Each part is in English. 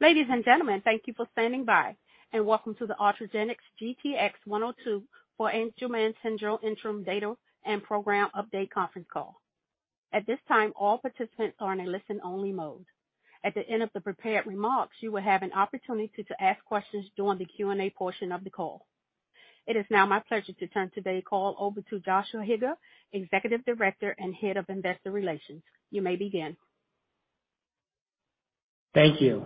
Ladies and gentlemen, thank you for standing by, and welcome to the Ultragenyx GTX-102 for Angelman Syndrome Interim Data and Program Update Conference Call. At this time, all participants are in a listen-only mode. At the end of the prepared remarks, you will have an opportunity to ask questions during the Q&A portion of the call. It is now my pleasure to turn today's call over to Joshua Higa, Executive Director and Head of Investor Relations. You may begin. Thank you.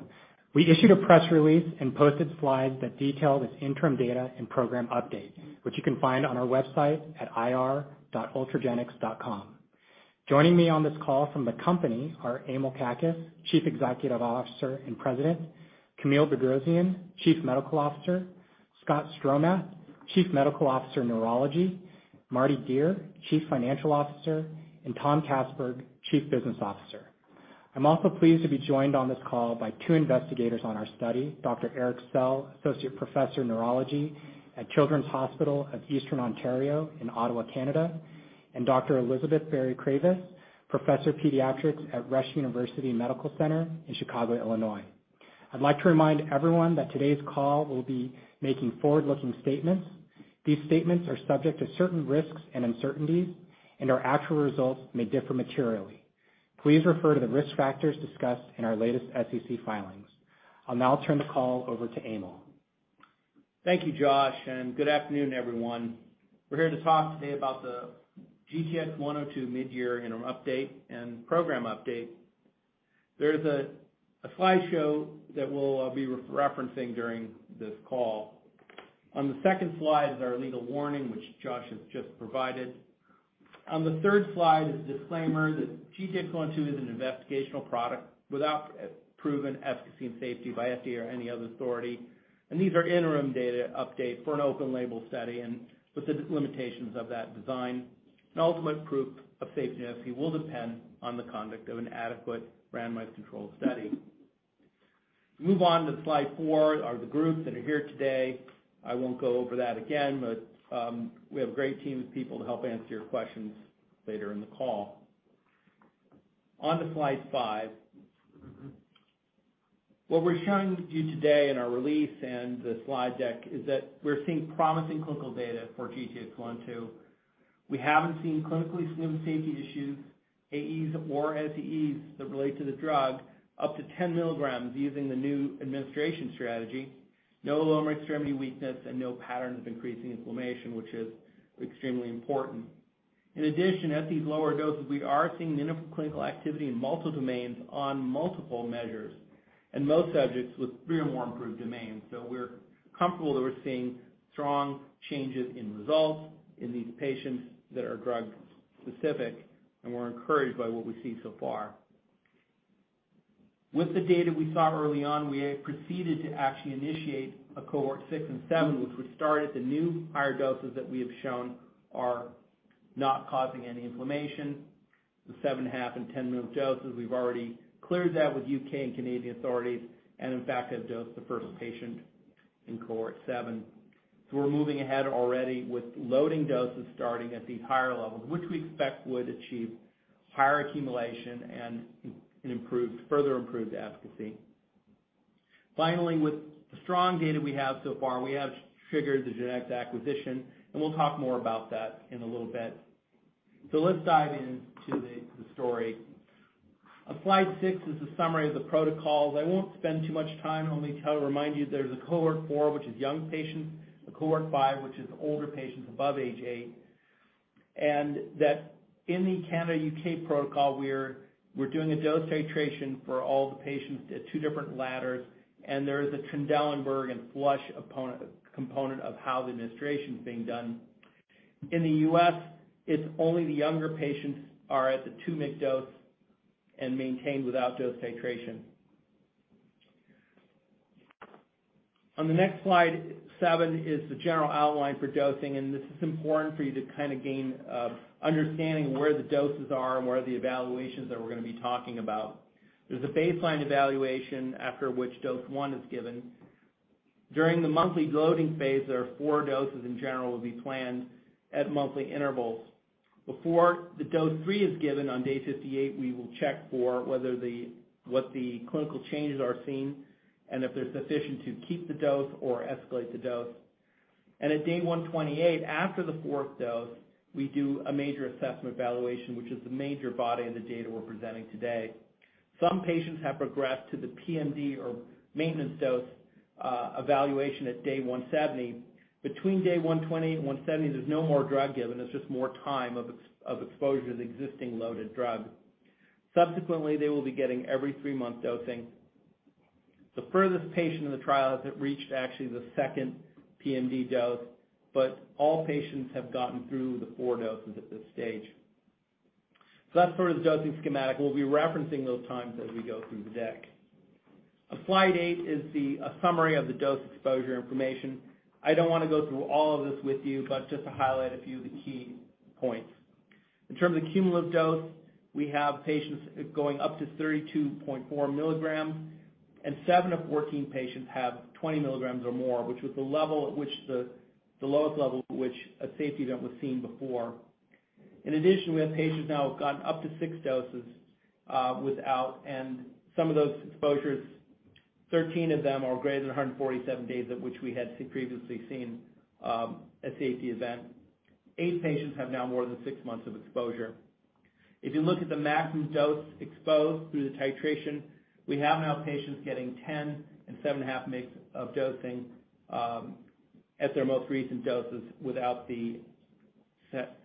We issued a press release and posted slides that detail this interim data and program update, which you can find on our website at ir.ultragenyx.com. Joining me on this call from the company are Emil Kakkis, Chief Executive Officer and President, Camille L. Bedrosian, Chief Medical Officer, Scott Stromatt, Chief Medical Officer, Neurology, Mardi Dier, Chief Financial Officer, and Thomas Kassberg, Chief Business Officer. I'm also pleased to be joined on this call by two investigators on our study, Dr. Erick Sell, Associate Professor of Neurology at Children's Hospital of Eastern Ontario in Ottawa, Canada, and Dr. Elizabeth Berry-Kravis, Professor of Pediatrics at Rush University Medical Center in Chicago, Illinois. I'd like to remind everyone that today's call will be making forward-looking statements. These statements are subject to certain risks and uncertainties, and our actual results may differ materially. Please refer to the risk factors discussed in our latest SEC filings. I'll now turn the call over to Emil. Thank you, Josh, and good afternoon, everyone. We're here to talk today about the GTX-102 mid-year interim update and program update. There's a slideshow that we'll be referencing during this call. On the second slide is our legal warning, which Josh has just provided. On the third slide is a disclaimer that GTX-102 is an investigational product without proven efficacy and safety by FDA or any other authority, and these are interim data updates for an open-label study and specific limitations of that design. Ultimate proof of safety and efficacy will depend on the conduct of an adequate randomized controlled study. Move on to slide four are the groups that are here today. I won't go over that again, but we have a great team of people to help answer your questions later in the call. On to slide five. What we're showing to you today in our release and the slide deck is that we're seeing promising clinical data for GTX-102. We haven't seen clinically significant safety issues, AEs or SAEs that relate to the drug up to 10 mg using the new administration strategy. No lower extremity weakness and no pattern of increasing inflammation, which is extremely important. In addition, at these lower doses, we are seeing clinical activity in multiple domains on multiple measures, and most subjects with three or more improved domains. We're comfortable that we're seeing strong changes in results in these patients that are drug-specific, and we're encouraged by what we see so far. With the data we saw early on, we proceeded to actually initiate a Cohort six and seven, which would start at the new higher doses that we have shown are not causing any inflammation, the 7.5 mg and 10 mg doses. We've already cleared that with U.K. and Canadian authorities, and in fact have dosed the first patient in Cohort seven. We're moving ahead already with loading doses starting at these higher levels, which we expect would achieve higher accumulation and improved, further improved efficacy. Finally, with the strong data we have so far, we have triggered the GeneTx acquisition, and we'll talk more about that in a little bit. Let's dive in to the story. On slide six is a summary of the protocols. I won't spend too much time, only to kind of remind you there's a Cohort four, which is young patients, a Cohort five, which is older patients above age eight. That in the Canadian, U.K. protocol, we're doing a dose titration for all the patients at two different ladders, and there is a Trendelenburg and flush opponent component of how the administration is being done. In the U.S., it's only the younger patients are at the 2 mg dose and maintained without dose titration. On the next slide seven is the general outline for dosing, and this is important for you to kinda gain understanding of where the doses are and where the evaluations that we're gonna be talking about. There's a baseline evaluation after which dose one is given. During the monthly loading phase, there are four doses in general will be planned at monthly intervals. Before the dose three is given on day 58, we will check for what the clinical changes are seen and if they're sufficient to keep the dose or escalate the dose. At day 128, after the fourth dose, we do a major assessment evaluation, which is the major body of the data we're presenting today. Some patients have progressed to the PMD or maintenance dose evaluation at day 170. Between day 120 and 170, there's no more drug given. It's just more time of exposure to the existing loaded drug. Subsequently, they will be getting every three-month dosing. The furthest patient in the trial has reached actually the second PMD dose, but all patients have gotten through the four doses at this stage. That's sort of the dosing schematic. We'll be referencing those times as we go through the deck. On slide eight is the summary of the dose exposure information. I don't wanna go through all of this with you, but just to highlight a few of the key points. In terms of cumulative dose, we have patients going up to 32.4 mg, and 7 of 14 patients have 20 mg or more, which was the level at which the lowest level at which a safety event was seen before. In addition, we have patients now have gotten up to six doses without. And some of those exposures, 13 of them are greater than 147 days at which we had previously seen a safety event. Eight patients have now more than six months of exposure. If you look at the maximum dose exposed through the titration, we have now patients getting 10 mg and 7.5 mg of dosing at their most recent doses without the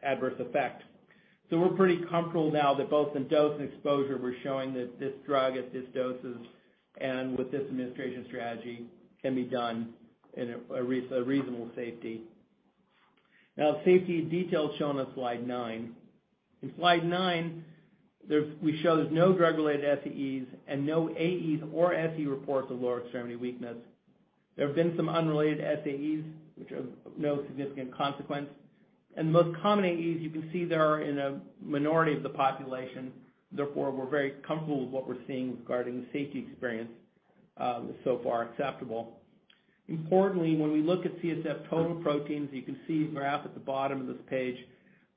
adverse effect. We're pretty comfortable now that both in dose and exposure, we're showing that this drug at this doses and with this administration strategy can be done in a reasonable safety. Now safety details shown on slide nine. In slide nine, we show there's no drug-related SAEs and no AEs or SAE reports of lower extremity weakness. There have been some unrelated SAEs, which are of no significant consequence, and the most common AEs you can see there are in a minority of the population. Therefore, we're very comfortable with what we're seeing regarding the safety experience, so far acceptable. Importantly, when we look at CSF total proteins, you can see the graph at the bottom of this page.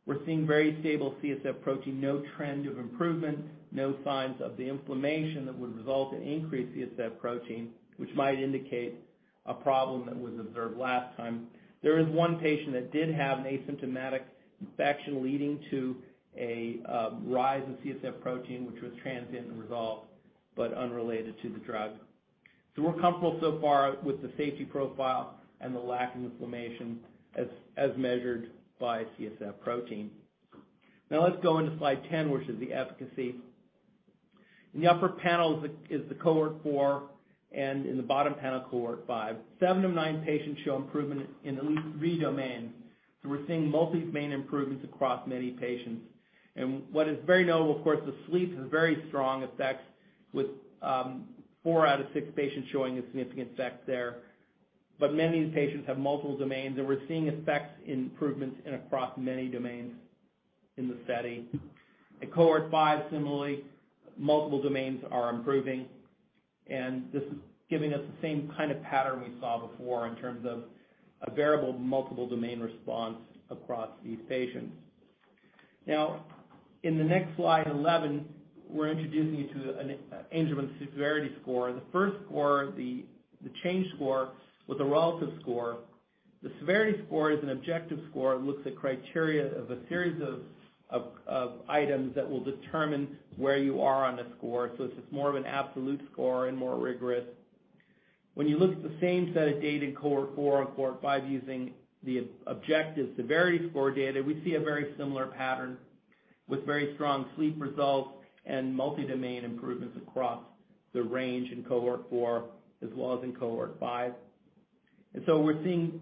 We're seeing very stable CSF protein, no trend of improvement, no signs of the inflammation that would result in increased CSF protein, which might indicate a problem that was observed last time. There is one patient that did have an asymptomatic infection leading to a rise in CSF protein, which was transient and resolved, but unrelated to the drug. We're comfortable so far with the safety profile and the lack of inflammation as measured by CSF protein. Now let's go into slide 10, which is the efficacy. In the upper panel is the Cohort Four, and in the bottom panel, Cohort Five. Seven of nine patients show improvement in at least three domains. We're seeing multi-domain improvements across many patients. What is very notable, of course, the sleep has a very strong effect with four out of six patients showing a significant effect there. But many of these patients have multiple domains, and we're seeing effects and improvements across many domains in the study. In Cohort five, similarly, multiple domains are improving, and this is giving us the same kind of pattern we saw before in terms of a variable multiple domain response across these patients. Now, in the next slide 11, we're introducing you to an Angelman Severity Score. The first score, the change score was a relative score. The severity score is an objective score. It looks at criteria of a series of items that will determine where you are on the score. So it's just more of an absolute score and more rigorous. When you look at the same set of data in Cohort 4 and Cohort 5 using the objective severity score data, we see a very similar pattern with very strong sleep results and multi-domain improvements across the range in Cohort 4 as well as in Cohort 5. We're seeing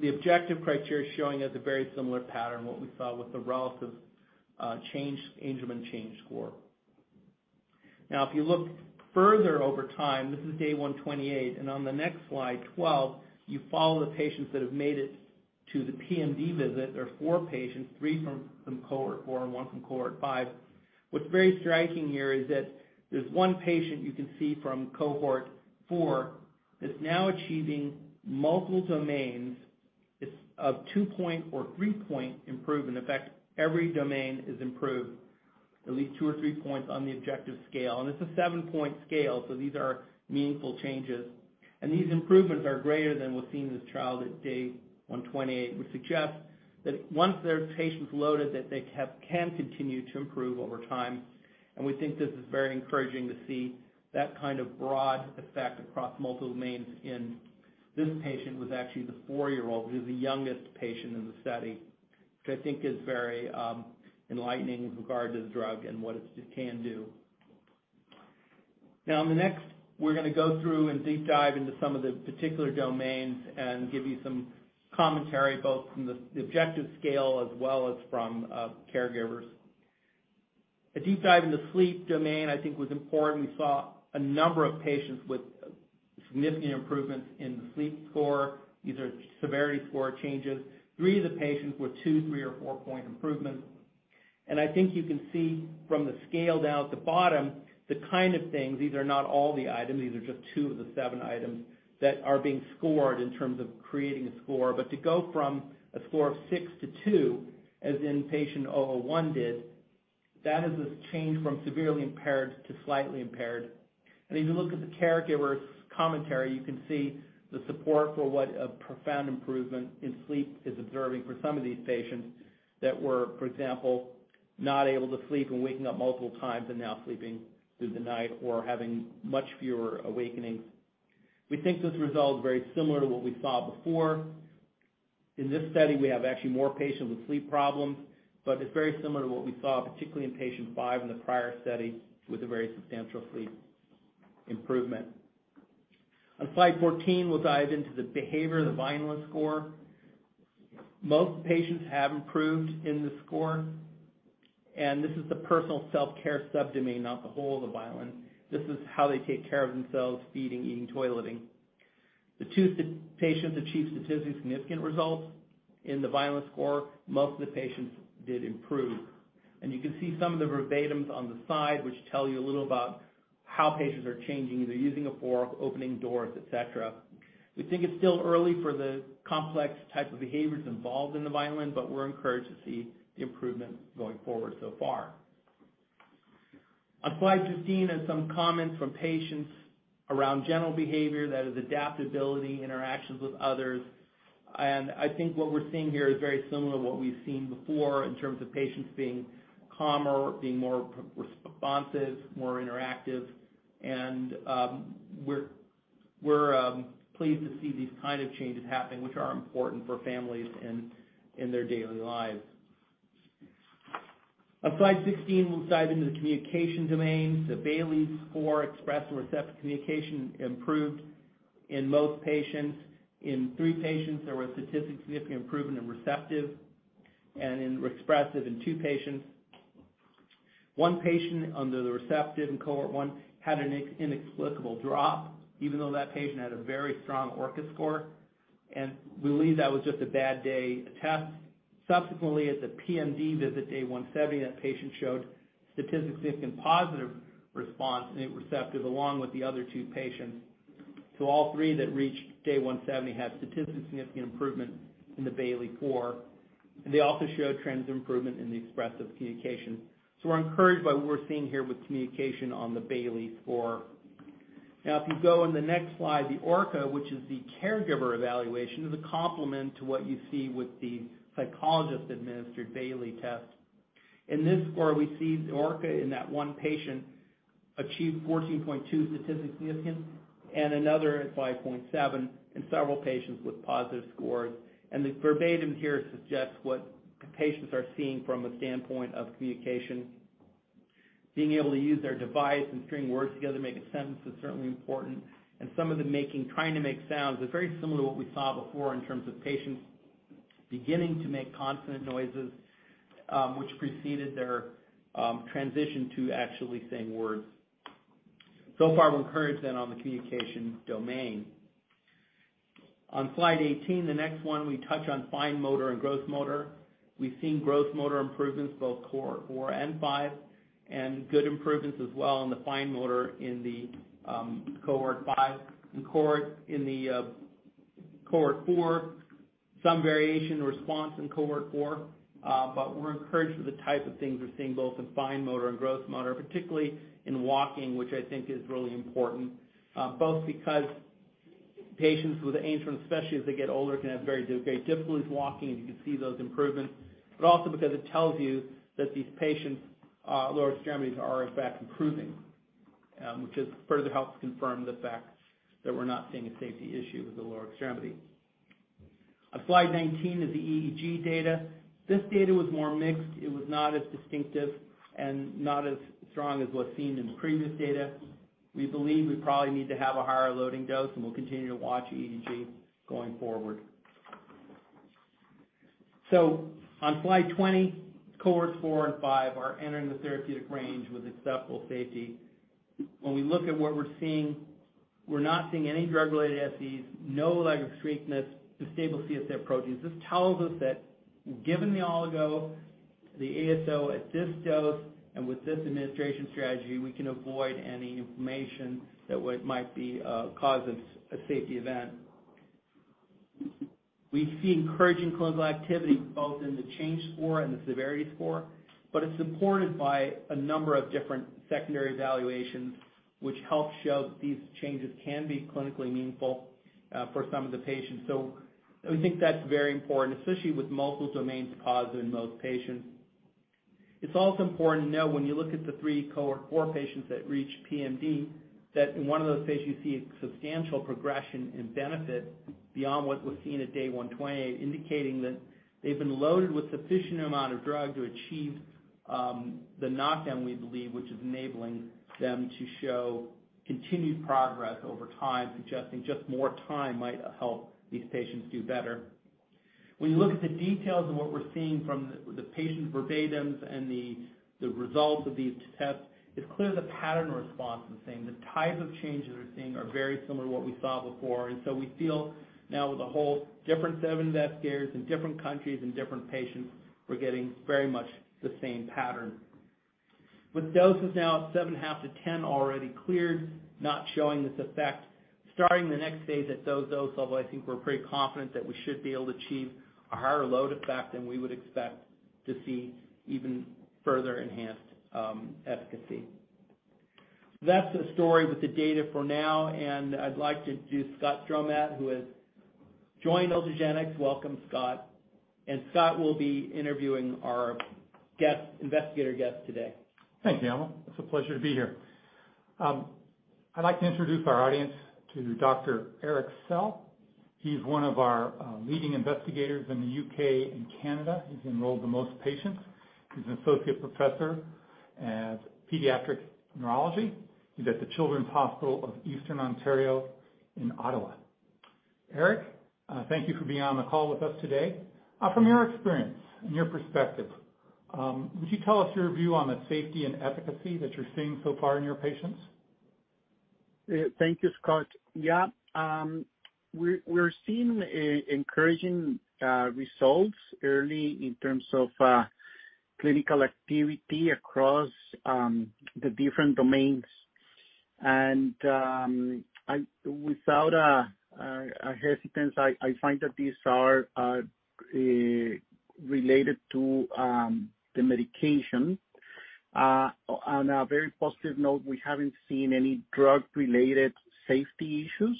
the objective criteria showing us a very similar pattern, what we saw with the relative change Angelman Change Score. Now, if you look further over time, this is day 128. On the next slide 12, you follow the patients that have made it to the PMD visit. There are four patients, three from Cohort four and one from Cohort five. What's very striking here is that there's one patient you can see from Cohort four that's now achieving multiple domains. It's of two-point or three-point improvement effect. Every domain is improved at least two or three points on the objective scale, and it's a seven-point scale, so these are meaningful changes. These improvements are greater than we've seen in this trial at day 128, which suggests that once there's patients loaded, that they can continue to improve over time. We think this is very encouraging to see that kind of broad effect across multiple domains in this patient, who's actually the four-year-old, who's the youngest patient in the study, which I think is very enlightening with regard to the drug and what it can do. Now in the next, we're gonna go through and deep dive into some of the particular domains and give you some commentary, both from the objective scale as well as from caregivers. A deep dive in the sleep domain I think was important. We saw a number of patients with significant improvements in the sleep score. These are severity score changes. Three of the patients were two, three, or four-point improvements. I think you can see from the scale down at the bottom, the kind of things, these are not all the items, these are just two of the seven items that are being scored in terms of creating a score. To go from a score of six to two, as in patient 001 did, that is a change from severely impaired to slightly impaired. If you look at the caregiver's commentary, you can see the support for what a profound improvement in sleep is observing for some of these patients that were, for example, not able to sleep and waking up multiple times and now sleeping through the night or having much fewer awakenings. We think this result is very similar to what we saw before. In this study, we have actually more patients with sleep problems, but it's very similar to what we saw, particularly in patient five in the prior study, with a very substantial sleep improvement. On slide 14, we'll dive into the behavior, the Vineland score. Most patients have improved in this score, and this is the personal self-care subdomain, not the whole of the Vineland. This is how they take care of themselves, feeding, eating, toileting. The two patients achieved statistically significant results in the Vineland score. Most of the patients did improve. You can see some of the verbatims on the side, which tell you a little about how patients are changing. They're using a fork, opening doors, et cetera. We think it's still early for the complex type of behaviors involved in the Vineland, but we're encouraged to see the improvement going forward so far. On slide 15 are some comments from patients around general behavior, that is adaptability, interactions with others. I think what we're seeing here is very similar to what we've seen before in terms of patients being calmer, being more responsive, more interactive. We're pleased to see these kind of changes happening, which are important for families in their daily lives. On slide 16, we'll dive into the communication domain. The Bayley score, expressive and receptive communication, improved in most patients. In three patients, there was statistically significant improvement in receptive and in expressive in two patients. One patient under the receptive in Cohort one had an inexplicable drop, even though that patient had a very strong ORCA score, and we believe that was just a bad day at test. Subsequently, at the PMD visit day 170, that patient showed statistically significant positive response in receptive, along with the other two patients. All three that reached day 170 had statistically significant improvement in the Bayley-4, and they also showed trends of improvement in the expressive communication. We're encouraged by what we're seeing here with communication on the Bayley-4. Now, if you go on the next slide, the ORCA, which is the caregiver evaluation, is a complement to what you see with the psychologist-administered Bayley test. In this score, we see the ORCA in that one patient achieved 14.2 statistically significant and another at 5.7, and several patients with positive scores. The verbatim here suggests what patients are seeing from a standpoint of communication. Being able to use their device and string words together to make a sentence is certainly important. Some of them trying to make sounds is very similar to what we saw before in terms of patients beginning to make consonant noises, which preceded their transition to actually saying words. So far, we're encouraged on the communication domain. On slide 18, the next one, we touch on fine motor and gross motor. We've seen gross motor improvements, both Cohort four and five, and good improvements as well in the fine motor in the Cohort five. In the Cohort four, some variation in response in Cohort four. We're encouraged with the type of things we're seeing both in fine motor and gross motor, particularly in walking, which I think is really important, both because patients with Angelman, especially as they get older, can have very great difficulties walking, and you can see those improvements, but also because it tells you that these patients', lower extremities are in fact improving, which just further helps confirm the fact that we're not seeing a safety issue with the lower extremity. On slide 19 is the EEG data. This data was more mixed. It was not as distinctive and not as strong as what's seen in the previous data. We believe we probably need to have a higher loading dose, and we'll continue to watch EEG going forward. On slide 20, Cohorts four and five are entering the therapeutic range with acceptable safety. When we look at what we're seeing, we're not seeing any drug-related SAEs, [inaudible] stable CSF proteins. This tells us that given the oligo, the ASO at this dose, and with this administration strategy, we can avoid any inflammation that might be a cause of a safety event. We see encouraging clinical activity both in the change score and the severity score, but it's supported by a number of different secondary evaluations, which help show that these changes can be clinically meaningful, for some of the patients. We think that's very important, especially with multiple domains positive in most patients. It's also important to know when you look at the three Cohort four patients that reach PMD, that in one of those patients you see a substantial progression in benefit beyond what was seen at day 128, indicating that they've been loaded with sufficient amount of drug to achieve the knockdown, we believe, which is enabling them to show continued progress over time, suggesting just more time might help these patients do better. When you look at the details of what we're seeing from the patient verbatims and the results of these tests, it's clear the pattern response is the same. The type of changes we're seeing are very similar to what we saw before. We feel now with a whole different seven batch cohorts in different countries and different patients, we're getting very much the same pattern. With doses now at 7.5 mg-10 mg already cleared, not showing this effect, starting the next phase at those dose levels, I think we're pretty confident that we should be able to achieve a higher load effect than we would expect to see even further enhanced, efficacy. That's the story with the data for now, and I'd like to introduce Scott Stromatt, who has joined Ultragenyx. Welcome, Scott. Scott will be interviewing our guest, investigator guest today. Thanks, Emil. It's a pleasure to be here. I'd like to introduce our audience to Dr. Erick Sell. He's one of our leading investigators in the U.K. and Canada. He's enrolled the most patients. He's an associate professor of pediatric neurology. He's at the Children's Hospital of Eastern Ontario in Ottawa. Erick, thank you for being on the call with us today. From your experience and your perspective, would you tell us your view on the safety and efficacy that you're seeing so far in your patients? Thank you, Scott. Yeah. We're seeing encouraging results early in terms of. Clinical activity across the different domains. Without a hesitance, I find that these are related to the medication. On a very positive note, we haven't seen any drug-related safety issues.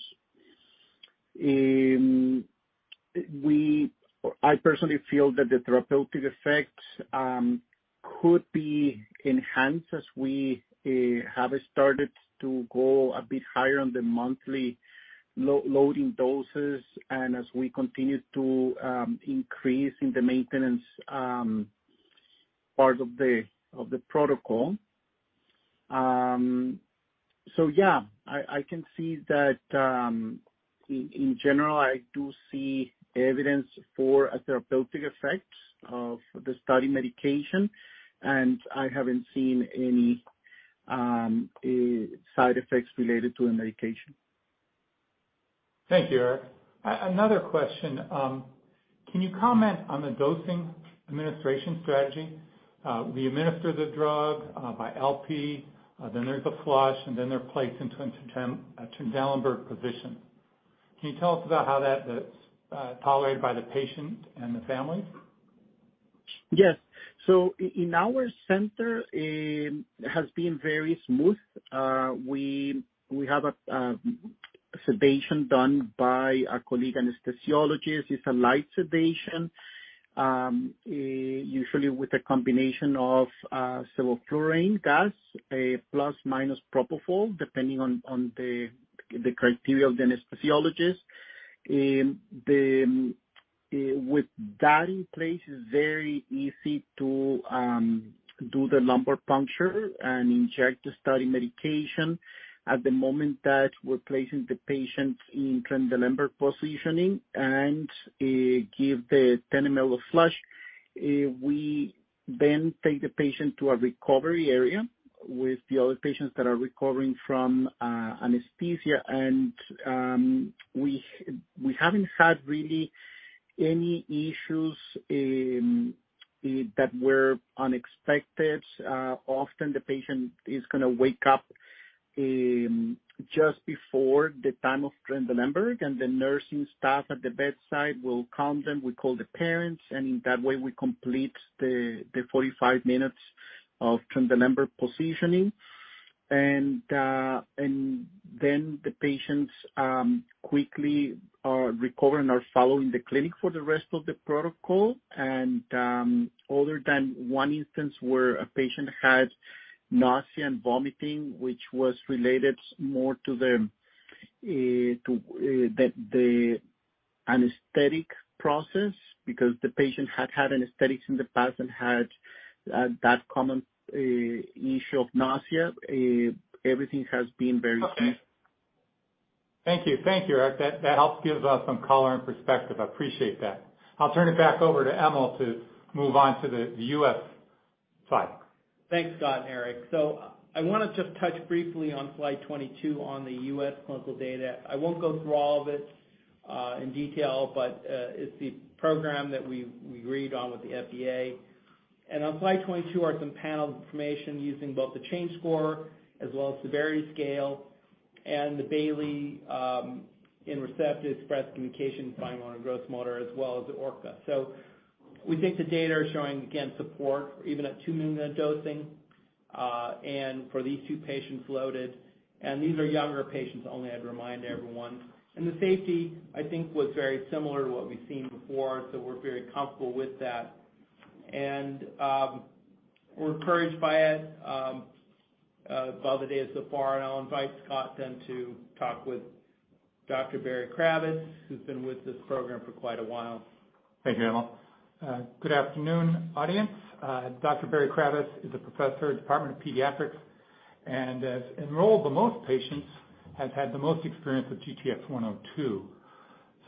I personally feel that the therapeutic effects could be enhanced as we have started to go a bit higher on the monthly loading doses and as we continue to increase in the maintenance part of the protocol. I can see that in general I do see evidence for a therapeutic effect of the study medication, and I haven't seen any side effects related to the medication. Thank you, Erick. Another question. Can you comment on the dosing administration strategy? We administer the drug by LP, then there's a flush, and then they're placed in Trendelenburg position. Can you tell us about how that is tolerated by the patient and the families? Yes. In our center, it has been very smooth. We have a sedation done by a colleague anesthesiologist. It's a light sedation, usually with a combination of sevoflurane gas, plus minus propofol, depending on the criteria of the anesthesiologist. With that in place, it's very easy to do the lumbar puncture and inject the study medication at the moment that we're placing the patient in Trendelenburg positioning and give the 10 mL flush. We then take the patient to a recovery area with the other patients that are recovering from anesthesia. We haven't had really any issues that were unexpected. Often the patient is gonna wake up just before the time of Trendelenburg, and the nursing staff at the bedside will count them. We call the parents, and in that way, we complete the 45 minutes of Trendelenburg positioning. Then the patients quickly are recovering or followed in the clinic for the rest of the protocol. Other than one instance where a patient had nausea and vomiting, which was related more to the anesthetic process because the patient had had anesthetics in the past and had that common issue of nausea. Everything has been very smooth. Okay. Thank you, Erick. That helps gives us some color and perspective. I appreciate that. I'll turn it back over to Emil to move on to the U.S. slide. Thanks, Scott and Erick. I wanna just touch briefly on Slide 22 on the U.S. clinical data. I won't go through all of it in detail, but it's the program that we agreed on with the FDA. On Slide 22 are some paneled information using both the change score as well as the varied scale and the Bayley in receptive express communication, fine motor, and gross motor, as well as the ORCA. We think the data are showing, again, support even at 2 mg dosing, and for these two patients loaded. These are younger patients only, I'd remind everyone. The safety, I think, was very similar to what we've seen before, so we're very comfortable with that. We're encouraged by it by the data so far. I'll invite Scott then to talk with Dr. Elizabeth Berry-Kravis, who's been with this program for quite a while. Thank you, Emil. Good afternoon, audience. Dr. Elizabeth Berry-Kravis is a professor at Department of Pediatrics and has enrolled the most patients, has had the most experience with GTX-102.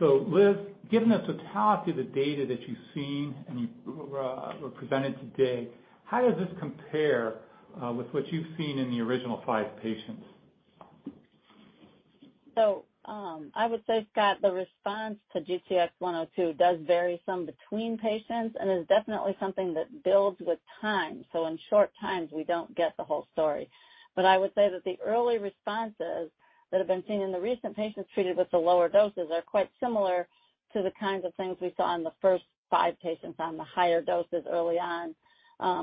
Liz, given the totality of the data that you've seen and you were presented today, how does this compare with what you've seen in the original five patients? I would say, Scott, the response to GTX-102 does vary some between patients and is definitely something that builds with time. In short times, we don't get the whole story. I would say that the early responses that have been seen in the recent patients treated with the lower doses are quite similar to the kinds of things we saw in the first five patients on the higher doses early on.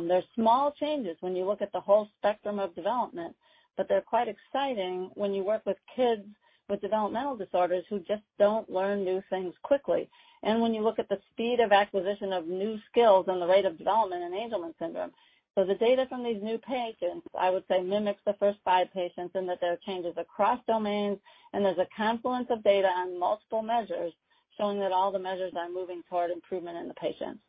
There's small changes when you look at the whole spectrum of development, but they're quite exciting when you work with kids with developmental disorders who just don't learn new things quickly, and when you look at the speed of acquisition of new skills and the rate of development in Angelman syndrome. The data from these new patients, I would say, mimics the first five patients in that there are changes across domains, and there's a confluence of data on multiple measures showing that all the measures are moving toward improvement in the patients.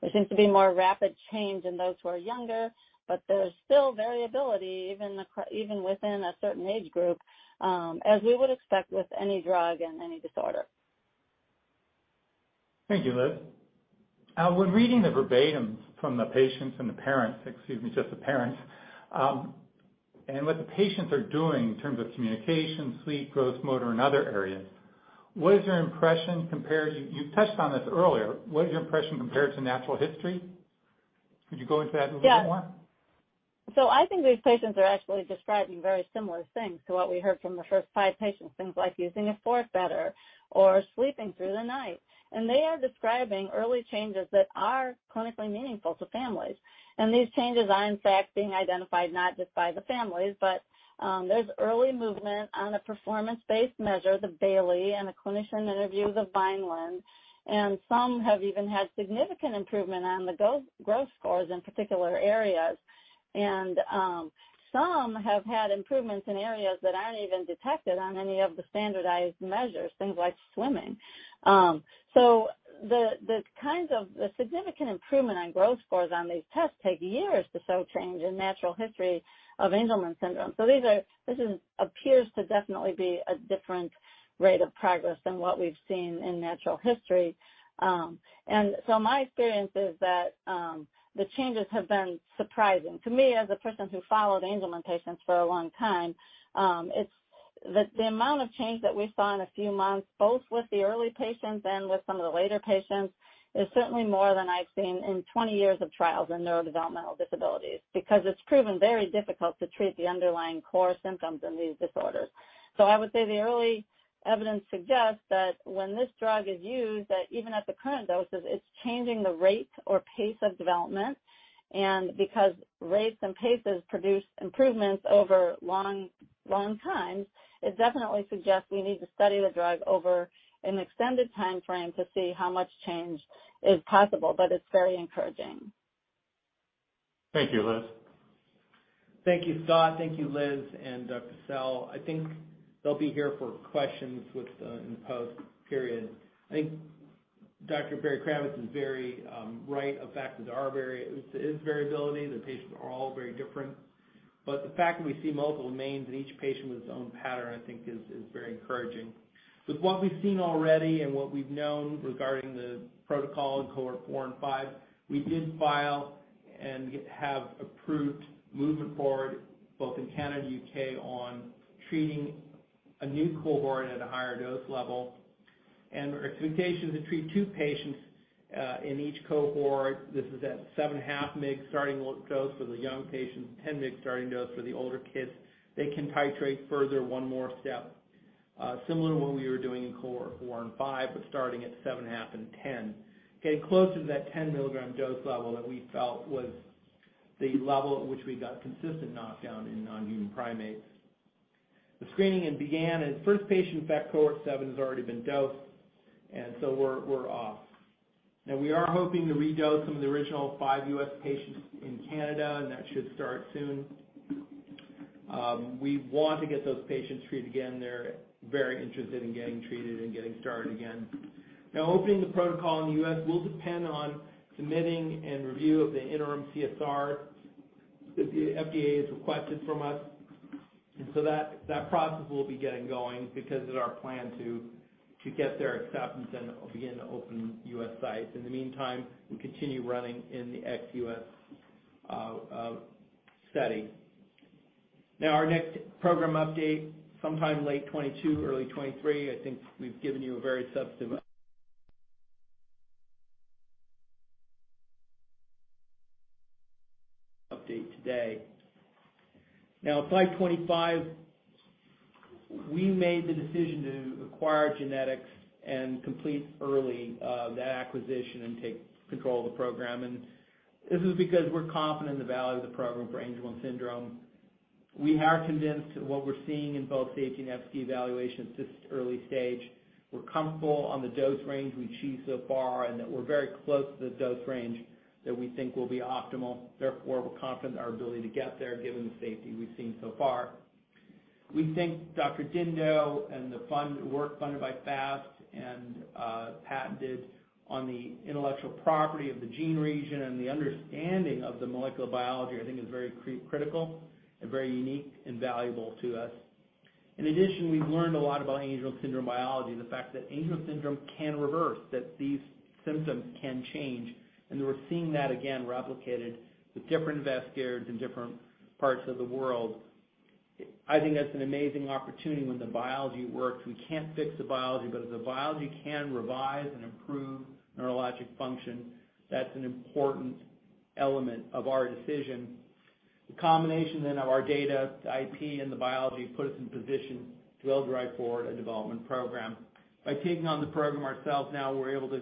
There seems to be more rapid change in those who are younger, but there's still variability even within a certain age group, as we would expect with any drug and any disorder. Thank you, Liz. When reading the verbatims from the patients and the parents, excuse me, just the parents, what the patients are doing in terms of communication, sleep, gross motor, and other areas, what is your impression compared to natural history? You touched on this earlier. What is your impression compared to natural history? Could you go into that a little bit more? Yeah. I think these patients are actually describing very similar things to what we heard from the first five patients, things like using a fork better or sleeping through the night. They are describing early changes that are clinically meaningful to families. These changes are in fact being identified not just by the families, but there's early movement on the performance-based measure, the Bayley, and the clinician interviews of Vineland, and some have even had significant improvement on the gross scores in particular areas. Some have had improvements in areas that aren't even detected on any of the standardized measures, things like swimming. The kinds of significant improvement on gross scores on these tests take years to show change in natural history of Angelman syndrome. These are—this appears to definitely be a different rate of progress than what we've seen in natural history. My experience is that the changes have been surprising to me as a person who followed Angelman patients for a long time. It's the amount of change that we saw in a few months, both with the early patients and with some of the later patients, is certainly more than I've seen in 20 years of trials in neurodevelopmental disabilities because it's proven very difficult to treat the underlying core symptoms in these disorders. I would say the early evidence suggests that when this drug is used, that even at the current doses, it's changing the rate or pace of development. Because rates and paces produce improvements over long, long times, it definitely suggests we need to study the drug over an extended timeframe to see how much change is possible. It's very encouraging. Thank you, Liz. Thank you, Scott. Thank you, Liz and Dr. Sell. I think they'll be here for questions in the post period. I think Dr. Berry-Kravis is very right. The fact that there is variability, the patients are all very different. The fact that we see multiple domains in each patient with its own pattern, I think is very encouraging. With what we've seen already and what we've known regarding the protocol in Cohort four and five, we did file and get approval movement forward both in Canada and U.K. on treating a new cohort at a higher dose level. Our expectation is to treat two patients in each cohort. This is at 7.5 mg starting dose for the young patients, 10 mg starting dose for the older kids. They can titrate further one more step, similar to what we were doing in Cohort four and five, but starting at 7.5 mg and 10 mg. Getting closer to that 10 mg dose level that we felt was the level at which we got consistent knockdown in non-human primates. The screening had began, and first patient, in fact, Cohort seven, has already been dosed, and so we're off. Now we are hoping to redose some of the original five U.S. patients in Canada, and that should start soon. We want to get those patients treated again. They're very interested in getting treated and getting started again. Now, opening the protocol in the U.S. will depend on submitting and review of the interim CSR that the FDA has requested from us. That process will be getting going because it is our plan to get their acceptance and begin to open U.S. sites. In the meantime, we continue running in the ex-U.S. setting. Now, our next program update, sometime late 2022, early 2023. I think we've given you a very substantive update today. Now, in 2025, we made the decision to acquire GeneTx and complete early that acquisition and take control of the program. This is because we're confident in the value of the program for Angelman syndrome. We are convinced what we're seeing in both the H and FD evaluations is early stage. We're comfortable on the dose range we achieved so far, and that we're very close to the dose range that we think will be optimal. Therefore, we're confident in our ability to get there given the safety we've seen so far. We think Dr. Dindot and the foundational work funded by FAST, patented on the intellectual property of the gene region and the understanding of the molecular biology, I think is very critical and very unique and valuable to us. In addition, we've learned a lot about Angelman syndrome biology, and the fact that Angelman syndrome can reverse, that these symptoms can change, and we're seeing that again replicated with different investigators in different parts of the world. I think that's an amazing opportunity when the biology works. We can't fix the biology, but if the biology can reverse and improve neurologic function, that's an important element of our decision. The combination of our data, the IP, and the biology put us in position to drive forward a development program. By taking on the program ourselves now we're able to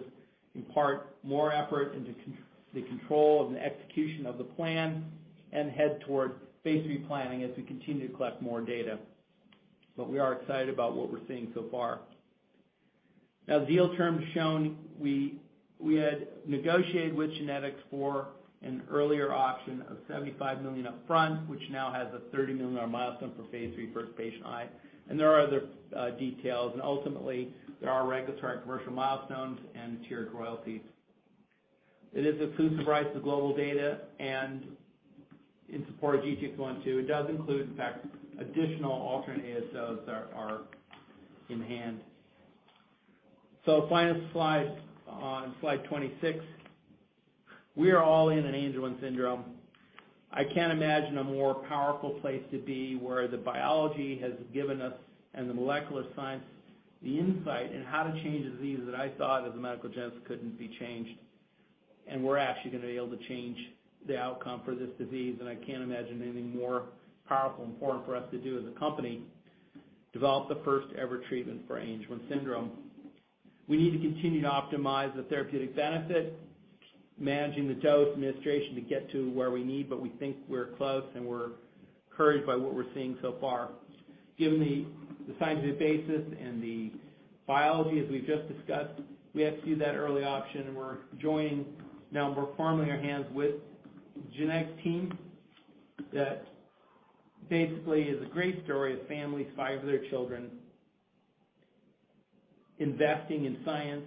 impart more effort into the control and the execution of the plan and head toward phase III planning as we continue to collect more data. We are excited about what we're seeing so far. Now, the deal terms shown, we had negotiated with GeneTx for an earlier option of $75 million upfront, which now has a $30 million milestone for phase III first patient high. There are other details. Ultimately, there are regulatory and commercial milestones and tiered royalties. It is exclusive rights to global data and in support of GTX-102. It does include, in fact, additional alternate ASOs that are in hand. Final slide, on slide 26. We are all in on Angelman syndrome. I can't imagine a more powerful place to be where the biology has given us and the molecular science, the insight into how to change a disease that I thought as a medical geneticist couldn't be changed. We're actually gonna be able to change the outcome for this disease, and I can't imagine anything more powerful and important for us to do as a company, develop the first-ever treatment for Angelman syndrome. We need to continue to optimize the therapeutic benefit, managing the dose administration to get to where we need, but we think we're close, and we're encouraged by what we're seeing so far. Given the scientific basis and the biology, as we've just discussed, we have to do that early dosing, and we're enrolling now, and we're forming alliances with GeneTx team. That basically is a great story of families, five of their children investing in science,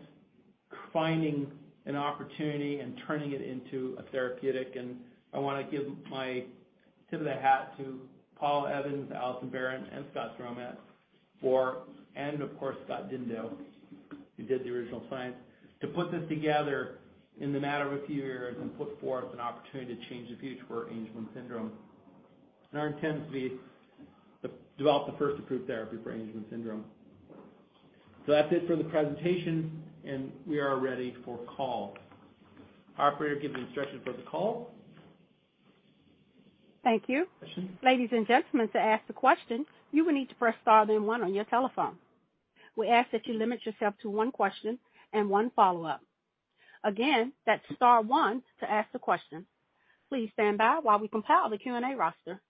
finding an opportunity and turning it into a therapeutic. I wanna give my tip of the hat to Paul Evans, Allyson Berent, and Scott Stromatt for, and of course, Scott Dindot, who did the original science, to put this together in the matter of a few years and put forth an opportunity to change the future for Angelman syndrome. Our intent is to be the, develop the first approved therapy for Angelman syndrome. That's it for the presentation, and we are ready for call. Operator, give the instructions for the call. Thank you. Ladies and gentlemen, to ask the question, you will need to press star then one on your telephone. We ask that you limit yourself to one question and one follow-up. Again, that's star one to ask the question. Please stand by while we compile the Q&A roster.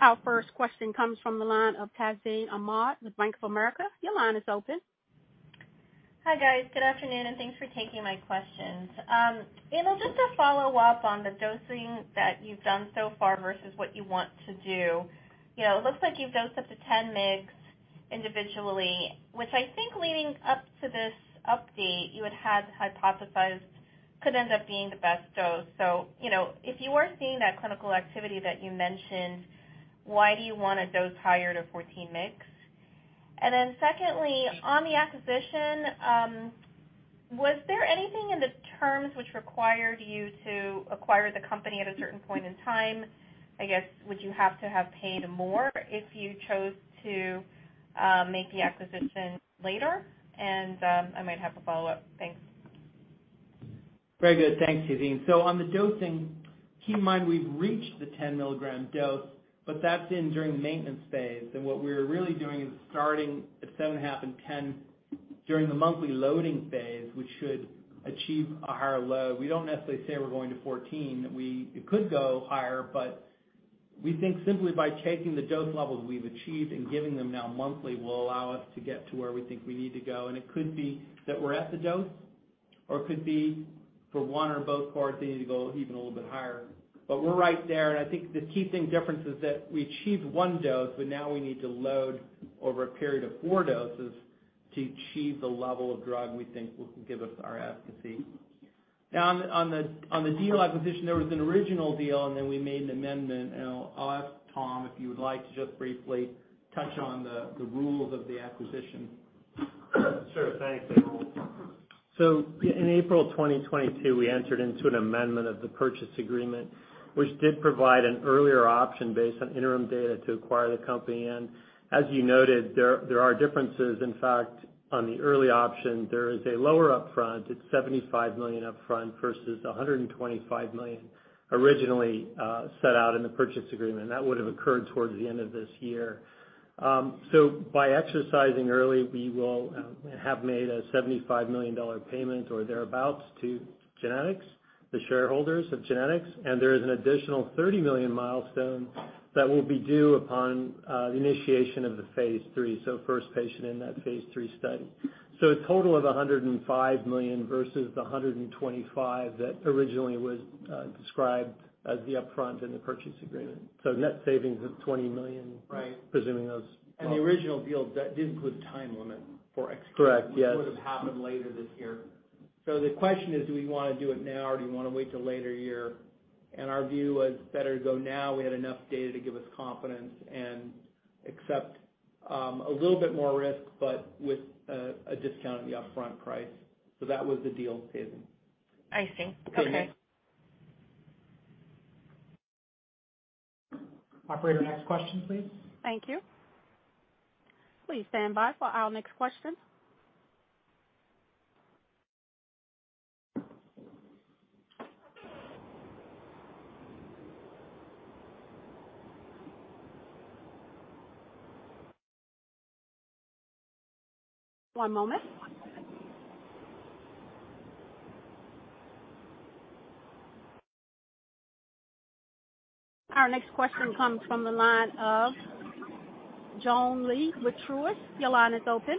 Our first question comes from the line of Tazeen Ahmad with Bank of America. Your line is open. Hi, guys. Good afternoon, and thanks for taking my questions. You know, just to follow up on the dosing that you've done so far versus what you want to do, you know, it looks like you've dosed up to 10 mgs individually, which I think leading up to this update, you had hypothesized could end up being the best dose. You know, if you were seeing that clinical activity that you mentioned, why do you want to dose higher to 14 mg? Then secondly, on the acquisition, was there anything in the terms which required you to acquire the company at a certain point in time? I guess, would you have to have paid more if you chose to make the acquisition later? I might have a follow-up. Thanks. Very good. Thanks, Tazeen. On the dosing, keep in mind we've reached the 10 mg dose, but that's in during the maintenance phase. What we're really doing is starting at 7.5 mg and 10 mg during the monthly loading phase, which should achieve a higher load. We don't necessarily say we're going to 14 mg. It could go higher, but we think simply by taking the dose levels we've achieved and giving them now monthly will allow us to get to where we think we need to go. It could be that we're at the dose, or it could be for one or both parts, they need to go even a little bit higher. We're right there, and I think the key thing difference is that we achieved one dose, but now we need to load over a period of four doses to achieve the level of drug we think will give us our efficacy. Now on the deal acquisition, there was an original deal, and then we made an amendment. I'll ask Tom, if you would like to just briefly touch on the rules of the acquisition. Sure. Thanks, Emil. In April 2022, we entered into an amendment of the purchase agreement, which did provide an earlier option based on interim data to acquire the company. As you noted, there are differences. In fact, on the early option, there is a lower upfront. It's $75 million upfront versus $125 million originally set out in the purchase agreement. That would've occurred towards the end of this year. By exercising early, we will have made a $75 million payment or thereabout to GeneTx, the shareholders of GeneTx. There is an additional $30 million milestone that will be due upon the initiation of the phase III, so first patient in that phase III study. A total of $105 million versus the $125 million that originally was described as the upfront in the purchase agreement. Net savings of $20 million- Right. -presuming those- The original deal, that did put time limit for execution. Correct. Yes. It would've happened later this year. The question is, do we wanna do it now, or do you wanna wait till later year? Our view was better to go now, we had enough data to give us confidence and accept a little bit more risk, but with a discount in the upfront price. That was the deal, Tazeen. I see. Okay. Operator, next question, please. Thank you. Please stand by for our next question. One moment. Our next question comes from the line of Joon Lee with Truist. Your line is open.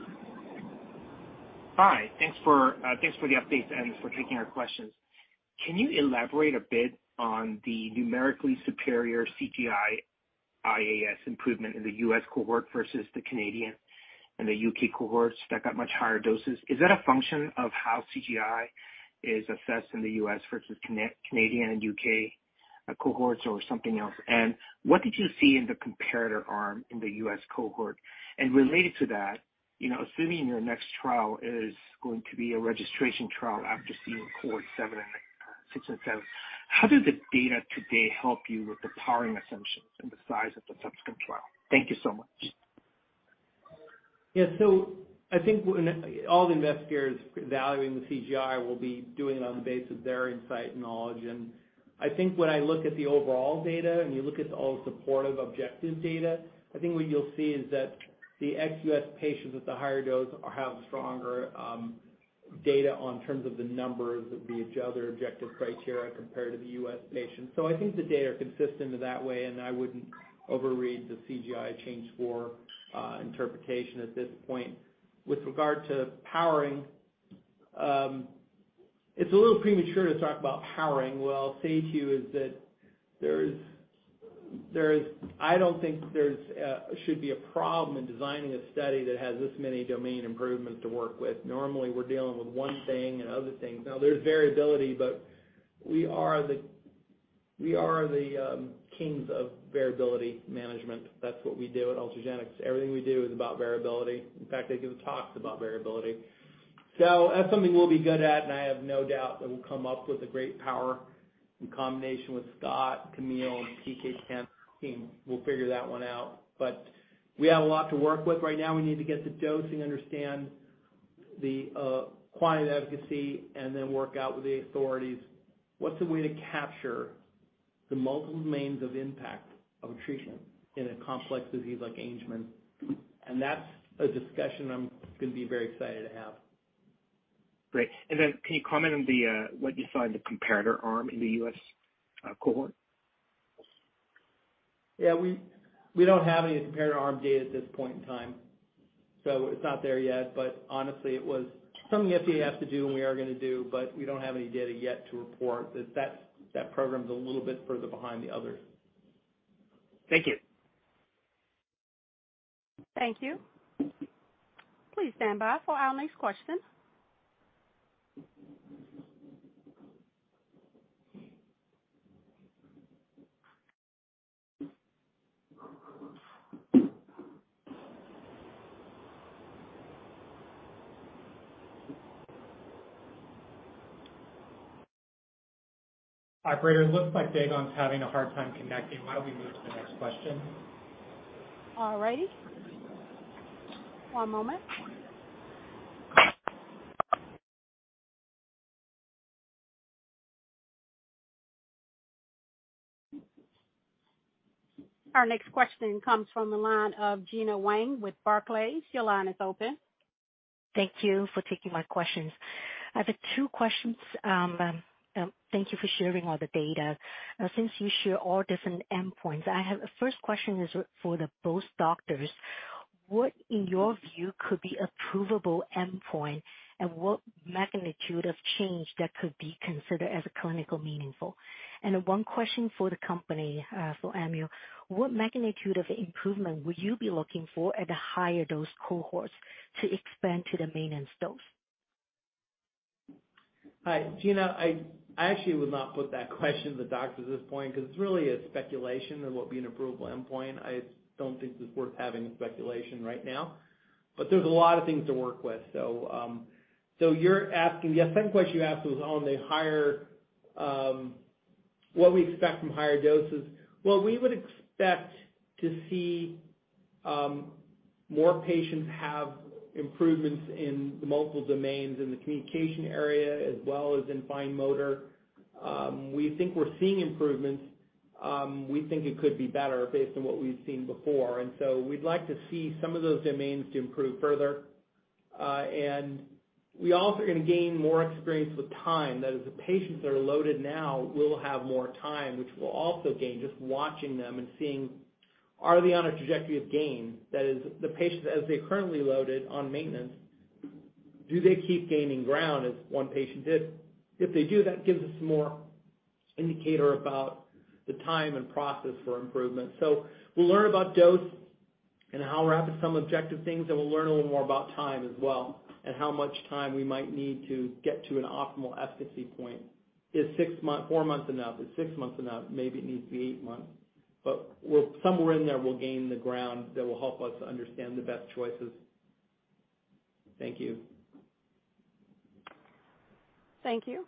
Hi. Thanks for the updates and for taking our questions. Can you elaborate a bit on the numerically superior CGI-I-AS improvement in the U.S. cohort versus the Canadian and the U.K. cohorts that got much higher doses? Is that a function of how CGI is assessed in the U.S. versus Canadian and U.K. cohorts or something else? What did you see in the comparator arm in the U.S. cohort? Related to that, you know, assuming your next trial is going to be a registration trial after seeing Cohort seven and six and seven, how did the data today help you with the powering assumptions and the size of the subsequent trial? Thank you so much. Yeah. I think when all the investigators evaluating the CGI will be doing it on the basis of their insight and knowledge. I think when I look at the overall data, and you look at all the supportive objective data, I think what you'll see is that the ex-U.S. patients with the higher dose have stronger data in terms of the numbers of the other objective criteria compared to the U.S. patients. I think the data are consistent in that way, and I wouldn't overread the CGI change for interpretation at this point. With regard to powering, it's a little premature to talk about powering. What I'll say to you is that there is. I don't think there should be a problem in designing a study that has this many domain improvements to work with. Normally, we're dealing with one thing and other things. Now there's variability, but we are the kings of variability management. That's what we do at Ultragenyx. Everything we do is about variability. In fact, I give talks about variability. That's something we'll be good at, and I have no doubt that we'll come up with a great power in combination with Scott, Camille, and [inaudible] team. We'll figure that one out. We have a lot to work with right now. We need to get the dosing, understand, quantify efficacy, and then work out with the authorities what's a way to capture the multiple domains of impact of a treatment in a complex disease like Angelman. That's a discussion I'm gonna be very excited to have. Great. Can you comment on the, what you saw in the comparator arm in the U.S., cohort? Yeah, we don't have any comparator arm data at this point in time, so it's not there yet. Honestly, it was something FDA has to do and we are gonna do, but we don't have any data yet to report. That program's a little bit further behind the others. Thank you. Thank you. Please stand by for our next question. Operator, looks like Dae Gon's having a hard time connecting. Why don't we move to the next question? All righty. One moment. Our next question comes from the line of Gena Wang with Barclays. Your line is open. Thank you for taking my questions. I have two questions. Thank you for sharing all the data. Since you share all different endpoints, I have a first question is for the both doctors. What in your view could be approvable endpoint, and what magnitude of change that could be considered as clinical meaningful? One question for the company, for Emil: What magnitude of improvement would you be looking for at the higher dose cohorts to expand to the maintenance dose? Hi, Gina. I actually would not put that question to the doctors at this point 'cause it's really a speculation of what would be an approvable endpoint. I don't think it's worth having a speculation right now. There's a lot of things to work with. You're asking. Yeah, second question you asked was on the higher, what we expect from higher doses. We would expect to see more patients have improvements in the multiple domains in the communication area as well as in fine motor. We think we're seeing improvements. We think it could be better based on what we've seen before. We'd like to see some of those domains to improve further. We also are gonna gain more experience with time. That is, the patients that are loaded now will have more time, which we'll also gain just watching them and seeing are they on a trajectory of gain? That is, the patients as they currently loaded on maintenance, do they keep gaining ground as one patient did? If they do, that gives us more indicator about the time and process for improvement. We'll learn about dose and how rapid some objective things, and we'll learn a little more about time as well and how much time we might need to get to an optimal efficacy point. Is four months enough? Is six months enough? Maybe it needs to be eight months. Somewhere in there, we'll gain the ground that will help us understand the best choices. Thank you. Thank you.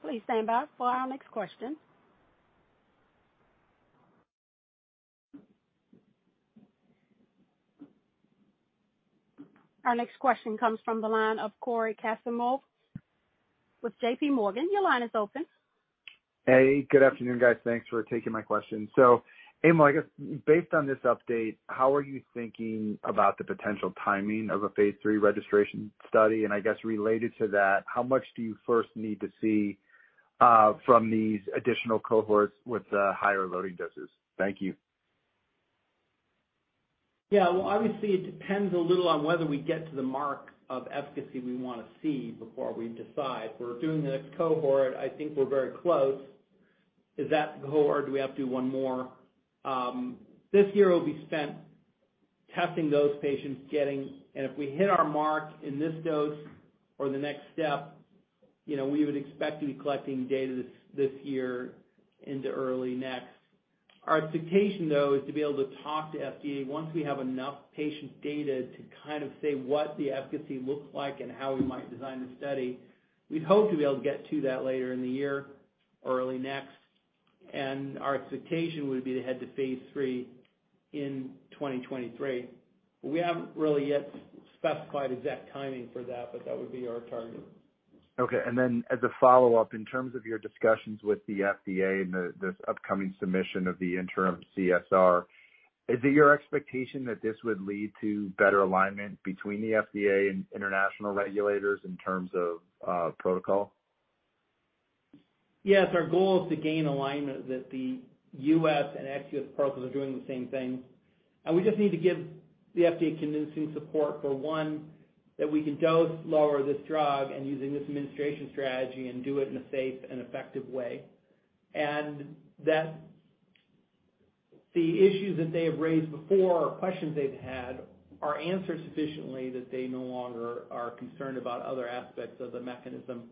Please stand by for our next question. Our next question comes from the line of Cory Kasimov with JPMorgan. Your line is open. Hey, good afternoon, guys. Thanks for taking my question. Emil, I guess based on this update, how are you thinking about the potential timing of a phase III registration study? I guess related to that, how much do you first need to see from these additional cohorts with the higher loading doses? Thank you. Yeah. Well, obviously, it depends a little on whether we get to the mark of efficacy we wanna see before we decide. We're doing the next cohort. I think we're very close. Is that the cohort, or do we have to do one more? This year will be spent testing those patients getting. If we hit our mark in this dose or the next step, you know, we would expect to be collecting data this year into early next. Our expectation, though, is to be able to talk to FDA once we have enough patient data to kind of say what the efficacy looks like and how we might design the study. We'd hope to be able to get to that later in the year or early next, and our expectation would be to head to phase III in 2023. We haven't really yet specified exact timing for that, but that would be our target. Okay. In terms of your discussions with the FDA and this upcoming submission of the interim CSR, is it your expectation that this would lead to better alignment between the FDA and international regulators in terms of protocol? Yes, our goal is to gain alignment that the U.S. and ex-U.S. protocols are doing the same thing. We just need to give the FDA convincing support for, one, that we can dose lower this drug and using this administration strategy and do it in a safe and effective way. That the issues that they have raised before or questions they've had are answered sufficiently that they no longer are concerned about other aspects of the mechanism.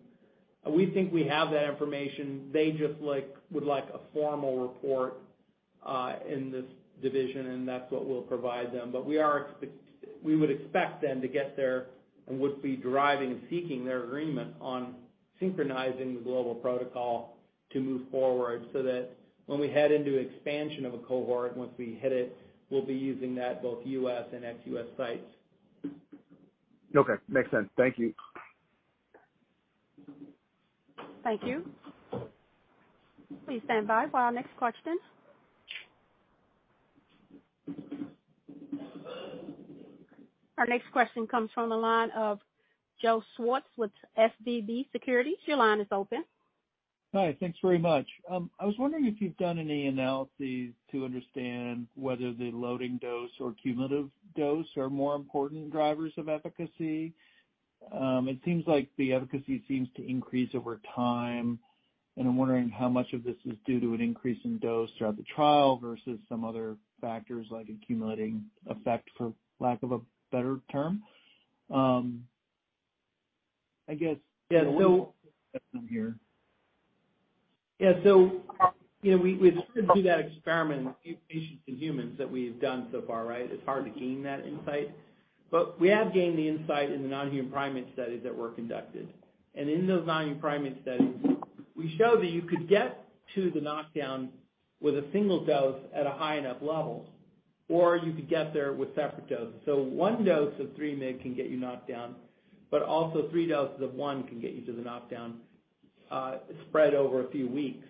We think we have that information. They just would like a formal report in this division, and that's what we'll provide them. We would expect them to get there and would be deriving and seeking their agreement on synchronizing the global protocol to move forward so that when we head into expansion of a cohort, once we hit it, we'll be using that both U.S. and ex-U.S. sites. Okay. Makes sense. Thank you. Thank you. Please stand by for our next question. Our next question comes from the line of Joe Schwartz with SVB Securities. Your line is open. Hi. Thanks very much. I was wondering if you've done any analyses to understand whether the loading dose or cumulative dose are more important drivers of efficacy. It seems like the efficacy seems to increase over time, and I'm wondering how much of this is due to an increase in dose throughout the trial versus some other factors like accumulating effect, for lack of a better term. Yeah. -here. Yeah. You know, we sort of do that experiment in patients in humans that we've done so far, right? It's hard to gain that insight. We have gained the insight in the non-human primate studies that were conducted. In those non-human primate studies, we show that you could get to the knockdown with a single dose at a high enough level, or you could get there with separate doses. One dose of 3 mg can get you knocked down, but also three doses of 1 mg can get you to the knockdown, spread over a few weeks.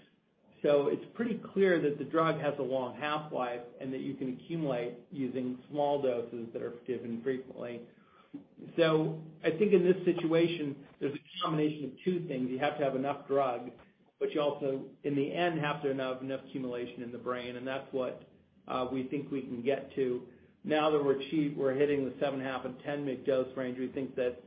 It's pretty clear that the drug has a long half-life and that you can accumulate using small doses that are given frequently. I think in this situation, there's a combination of two things. You have to have enough drug, but you also, in the end, have to have enough accumulation in the brain, and that's what we think we can get to. Now that we're hitting the 7.5 mg and 10 mg dose range, we think that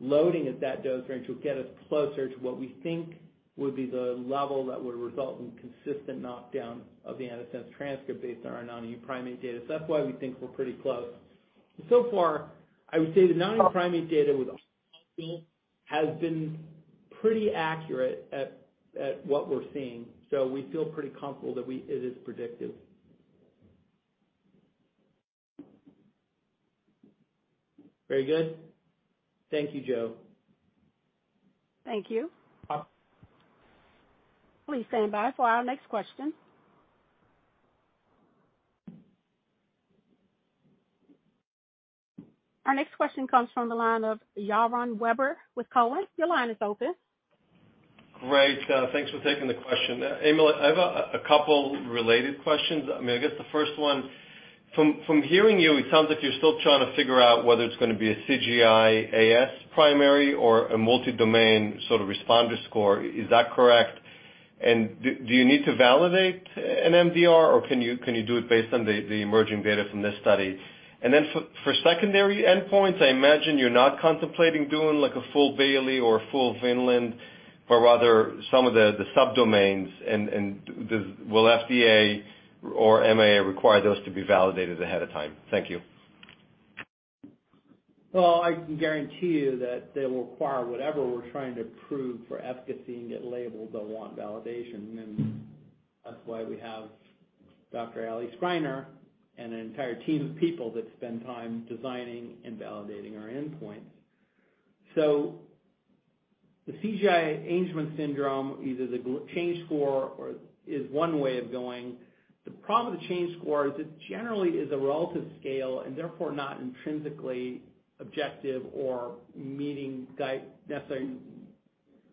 loading at that dose range will get us closer to what we think would be the level that would result in consistent knockdown of the antisense transcript based on our non-human primate data. That's why we think we're pretty close. So far, I would say the non-human primate data with what has been pretty accurate at what we're seeing. We feel pretty comfortable that it is predictive. Very good. Thank you, Joe. Thank you. Uh- Please stand by for our next question. Our next question comes from the line of Yaron Werber with TD Cowen. Your line is open. Great. Thanks for taking the question. Emil, I have a couple related questions. I mean, I guess the first one, from hearing you, it sounds like you're still trying to figure out whether it's gonna be a CGI AS primary or a multi-domain sort of responder score. Is that correct? And do you need to validate an MDR, or can you do it based on the emerging data from this study? And then for secondary endpoints, I imagine you're not contemplating doing like a full Bayley or a full Vineland, but rather some of the subdomains. And will FDA or MAA require those to be validated ahead of time? Thank you. Well, I can guarantee you that they will require whatever we're trying to prove for efficacy and get labeled, they'll want validation. That's why we have Dr. Ali Skrinar and an entire team of people that spend time designing and validating our endpoints. The CGI Angelman syndrome, either the change score, is one way of going. The problem with the change score is it generally is a relative scale and therefore not intrinsically objective or meeting guidelines necessarily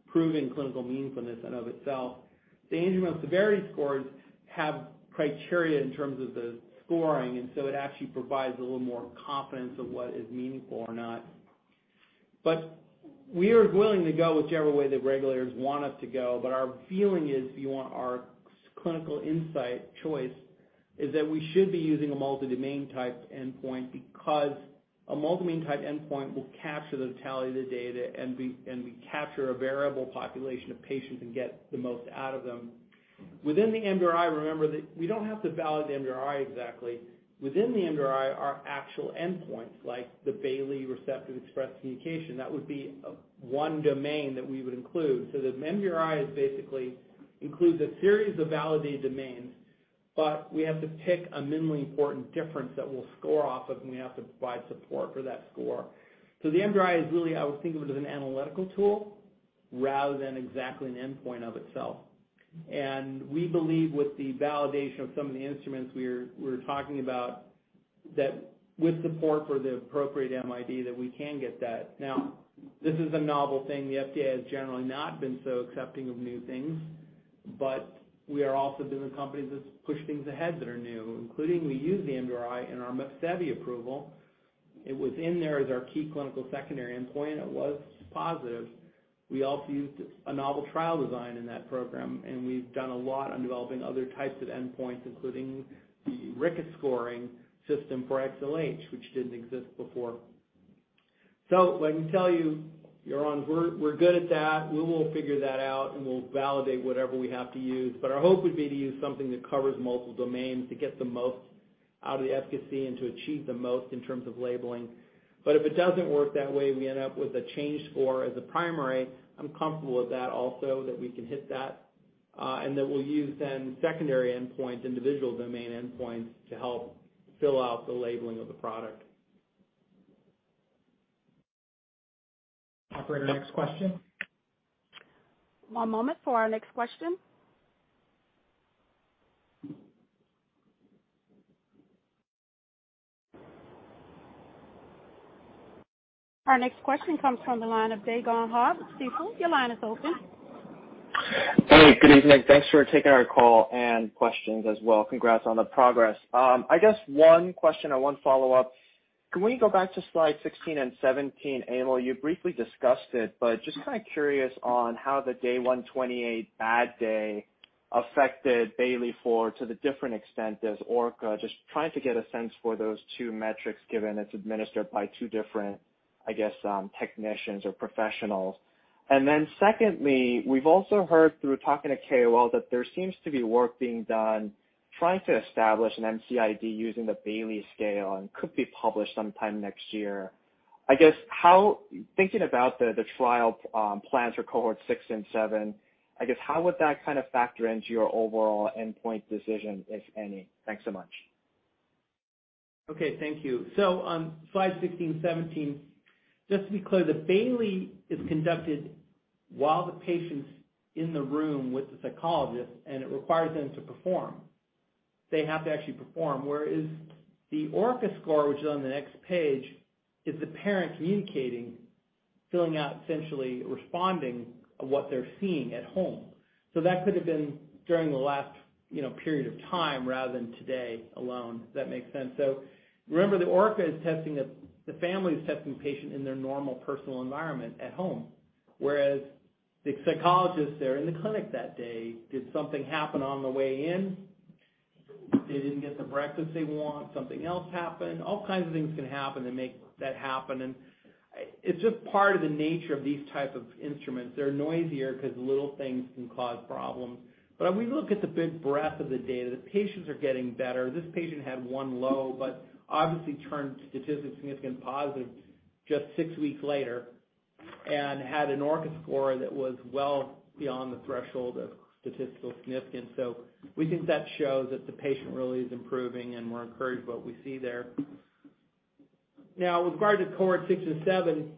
proving clinical meaningfulness in and of itself. The Angelman severity scores have criteria in terms of the scoring, and so it actually provides a little more confidence of what is meaningful or not. We are willing to go whichever way the regulators want us to go. Our feeling is, if you want our clinical insight choice, is that we should be using a multi-domain type endpoint because a multi-domain type endpoint will capture the totality of the data, and we capture a variable population of patients and get the most out of them. Within the MDRI, remember that we don't have to validate the MDRI exactly. Within the MDRI are actual endpoints like the Bayley Receptive Expressive Communication. That would be one domain that we would include. The MDRI is basically includes a series of validated domains, but we have to pick a minimally important difference that we'll score off of, and we have to provide support for that score. The MDRI is really, I would think of it as an analytical tool rather than exactly an endpoint of itself. We believe with the validation of some of the instruments we're talking about that with support for the appropriate MID that we can get that. Now, this is a novel thing. The FDA has generally not been so accepting of new things, but we are a company that pushes things ahead that are new, including we use the MDRI in our MEPSEVII approval. It was in there as our key clinical secondary endpoint, and it was positive. We also used a novel trial design in that program, and we've done a lot on developing other types of endpoints, including the RGI-C scoring system for XLH, which didn't exist before. Let me tell you, Yaron, we're good at that. We will figure that out, and we'll validate whatever we have to use. Our hope would be to use something that covers multiple domains to get the most out of the efficacy and to achieve the most in terms of labeling. If it doesn't work that way, we end up with a change score as a primary. I'm comfortable with that also, that we can hit that, and that we'll use then secondary endpoints, individual domain endpoints to help fill out the labeling of the product. Operator, next question. One moment for our next question. Our next question comes from the line of Dae Gon Ha with Stifel. Your line is open. Hey, good evening. Thanks for taking our call and questions as well. Congrats on the progress. I guess one question or one follow-up. Can we go back to slide 16 and 17, Emil? You briefly discussed it, but just kinda curious on how the Day 128 data affected Bayley-4 to a different extent as ORCA. Just trying to get a sense for those two metrics given it's administered by two different, I guess, technicians or professionals. Secondly, we've also heard through talking to KOL that there seems to be work being done trying to establish an MCID using the Bayley scale and could be published sometime next year. I guess how thinking about the trial plans for Cohort six and seven, I guess how would that kind of factor into your overall endpoint decision, if any? Thanks so much. Okay. Thank you. On slide 16, 17, just to be clear, the Bayley is conducted while the patient's in the room with the psychologist, and it requires them to perform. They have to actually perform, whereas the ORCA score, which is on the next page, is the parent communicating, filling out, essentially responding what they're seeing at home. That could have been during the last, you know, period of time rather than today alone. Does that make sense? Remember that ORCA is testing the family is testing the patient in their normal personal environment at home, whereas the psychologists are in the clinic that day. Did something happen on the way in? They didn't get the breakfast they want, something else happened. All kinds of things can happen to make that happen, and it's just part of the nature of these type of instruments. They're noisier 'cause little things can cause problems. When we look at the big breadth of the data, the patients are getting better. This patient had one low, but obviously turned statistically significant positive just six weeks later and had an ORCA score that was well beyond the threshold of statistical significance. We think that shows that the patient really is improving, and we're encouraged by what we see there. Now regarding Cohort six and seven,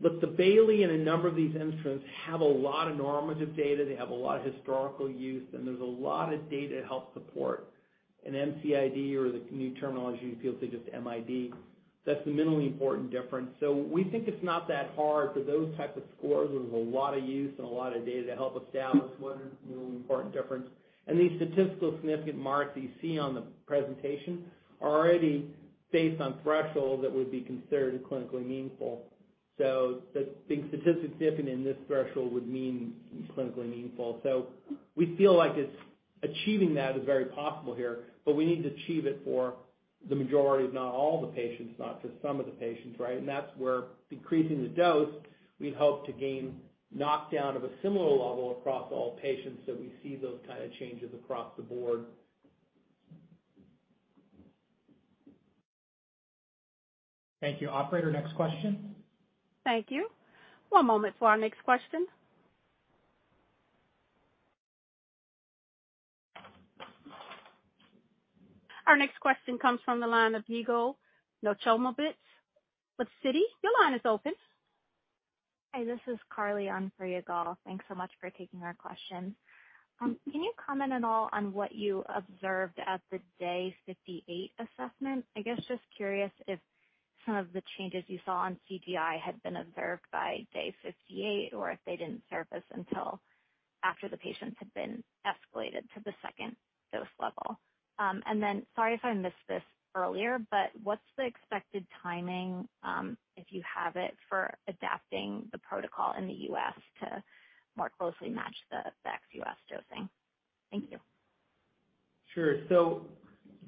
look, the Bayley and a number of these instruments have a lot of normative data. They have a lot of historical use, and there's a lot of data to help support an MCID or the new terminology we appeal to just MID. That's the minimally important difference. We think it's not that hard for those type of scores. There's a lot of use and a lot of data to help establish what is the minimally important difference. These statistically significant marks that you see on the presentation are already based on thresholds that would be considered clinically meaningful. The big statistically significant in this threshold would mean clinically meaningful. We feel like it's achieving that is very possible here, but we need to achieve it for the majority, if not all the patients, not just some of the patients, right? That's where decreasing the dose, we hope to gain knockdown of a similar level across all patients so we see those kind of changes across the board. Thank you. Operator, next question. Thank you. One moment for our next question. Our next question comes from the line of Yigal Nochomovitz with Citi. Your line is open. Hi, this is Carly on for Yigal Nochomovitz. Thanks so much for taking our question. Can you comment at all on what you observed at the day 58 assessment? I guess just curious if some of the changes you saw on CGI had been observed by day 58 or if they didn't surface until After the patients had been escalated to the second dose level. Sorry if I missed this earlier, but what's the expected timing, if you have it, for adapting the protocol in the U.S. to more closely match the ex-U.S. dosing? Thank you. Sure.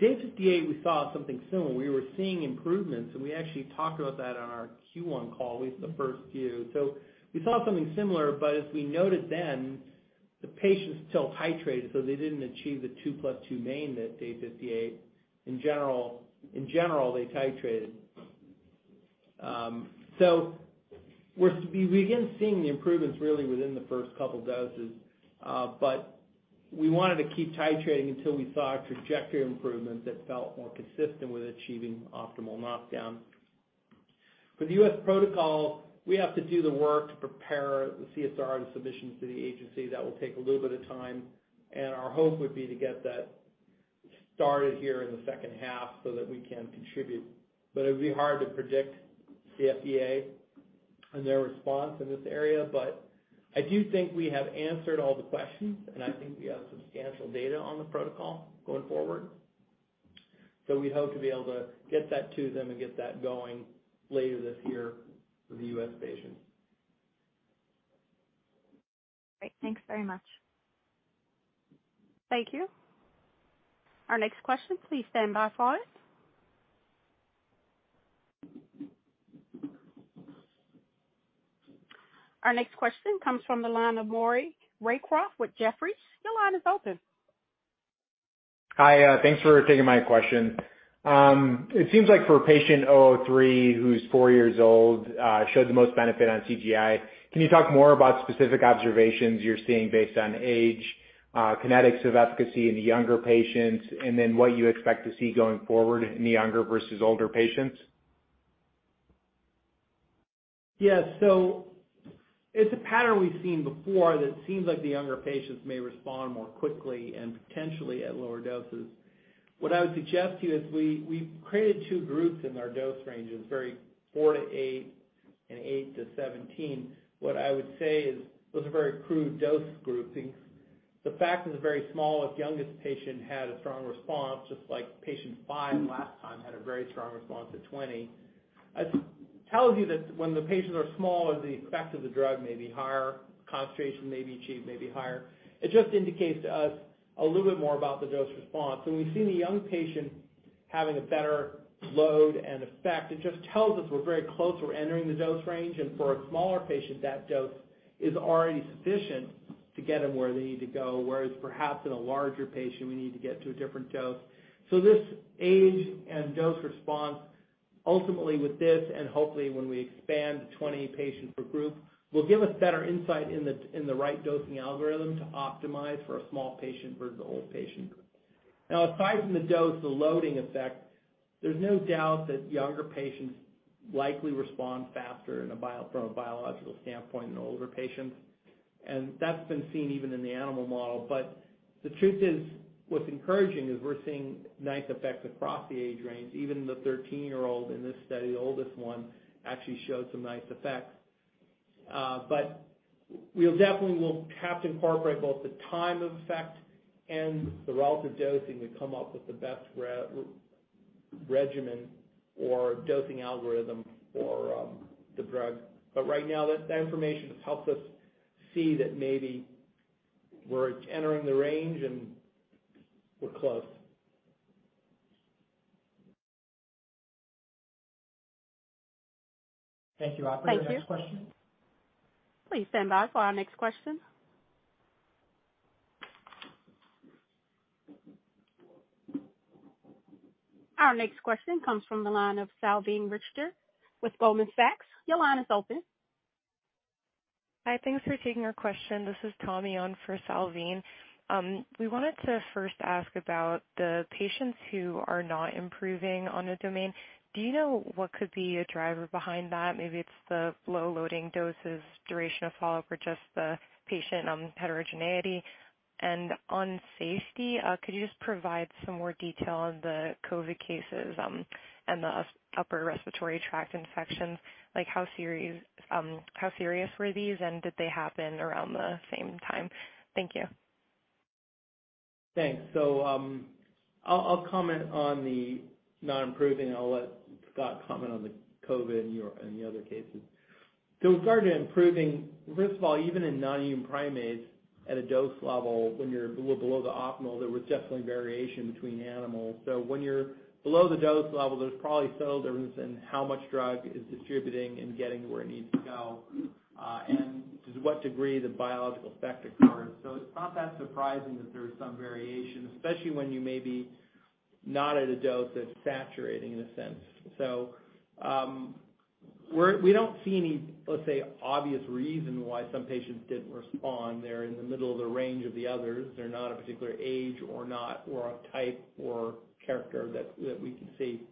Day 58 we saw something similar. We were seeing improvements, and we actually talked about that on our Q1 call, at least the first few. We saw something similar, but as we noted then, the patients still titrated, so they didn't achieve the 2 + 2 [mg] that day 58. In general, they titrated. We began seeing the improvements really within the first couple doses, but we wanted to keep titrating until we saw a trajectory improvement that felt more consistent with achieving optimal knockdown. For the U.S. protocol, we have to do the work to prepare the CSR, the submissions to the agency. That will take a little bit of time, and our hope would be to get that started here in the second half so that we can contribute. It would be hard to predict the FDA and their response in this area. I do think we have answered all the questions, and I think we have substantial data on the protocol going forward. We hope to be able to get that to them and get that going later this year for the U.S. patients. Great. Thanks very much. Thank you. Our next question, please stand by for it. Our next question comes from the line of Maury Raycroft with Jefferies. Your line is open. Hi. Thanks for taking my question. It seems like for patient 003, who's four years old, showed the most benefit on CGI. Can you talk more about specific observations you're seeing based on age, kinetics of efficacy in the younger patients, and then what you expect to see going forward in the younger versus older patients? Yeah. It's a pattern we've seen before that seems like the younger patients may respond more quickly and potentially at lower doses. What I would suggest to you is we created two groups in our dose ranges, 4-8 and 8-17. What I would say is those are very crude dose groupings. The fact that the very smallest, youngest patient had a strong response, just like patient five last time had a very strong response at 20, it tells you that when the patients are small, the effect of the drug may be higher, concentration may be achieved, may be higher. It just indicates to us a little bit more about the dose response. When we see the young patient having a better load and effect, it just tells us we're very close. We're entering the dose range, and for a smaller patient, that dose is already sufficient to get them where they need to go, whereas perhaps in a larger patient, we need to get to a different dose. This age and dose response, ultimately with this, and hopefully when we expand to 20 patients per group, will give us better insight in the right dosing algorithm to optimize for a small patient versus an old patient. Now, aside from the dose, the loading effect, there's no doubt that younger patients likely respond faster from a biological standpoint than older patients, and that's been seen even in the animal model. The truth is, what's encouraging is we're seeing nice effects across the age range. Even the 13-year-old in this study, the oldest one, actually showed some nice effects. We definitely will have to incorporate both the time of effect and the relative dosing to come up with the best regimen or dosing algorithm for the drug. Right now, that information has helped us see that maybe we're entering the range and we're close. Thank you. Operator, next question. Thank you. Please stand by for our next question. Our next question comes from the line of Salveen Richter with Goldman Sachs. Your line is open. Hi. Thanks for taking our question. This is Tommy on for Salveen. We wanted to first ask about the patients who are not improving on the domain. Do you know what could be a driver behind that? Maybe it's the low loading doses, duration of follow-up, or just the patient heterogeneity. On safety, could you just provide some more detail on the COVID cases and the upper respiratory tract infections? Like, how serious were these, and did they happen around the same time? Thank you. Thanks. I'll comment on the non-improving, and I'll let Scott comment on the COVID and the other cases. With regard to improving, first of all, even in non-human primates at a dose level, when you're below the optimal, there was definitely variation between animals. When you're below the dose level, there's probably subtle difference in how much drug is distributing and getting to where it needs to go, and to what degree the biological effect occurs. It's not that surprising that there's some variation, especially when you may be not at a dose that's saturating, in a sense. We don't see any, let's say, obvious reason why some patients didn't respond. They're in the middle of the range of the others. They're not a particular age or a type or character that we can see.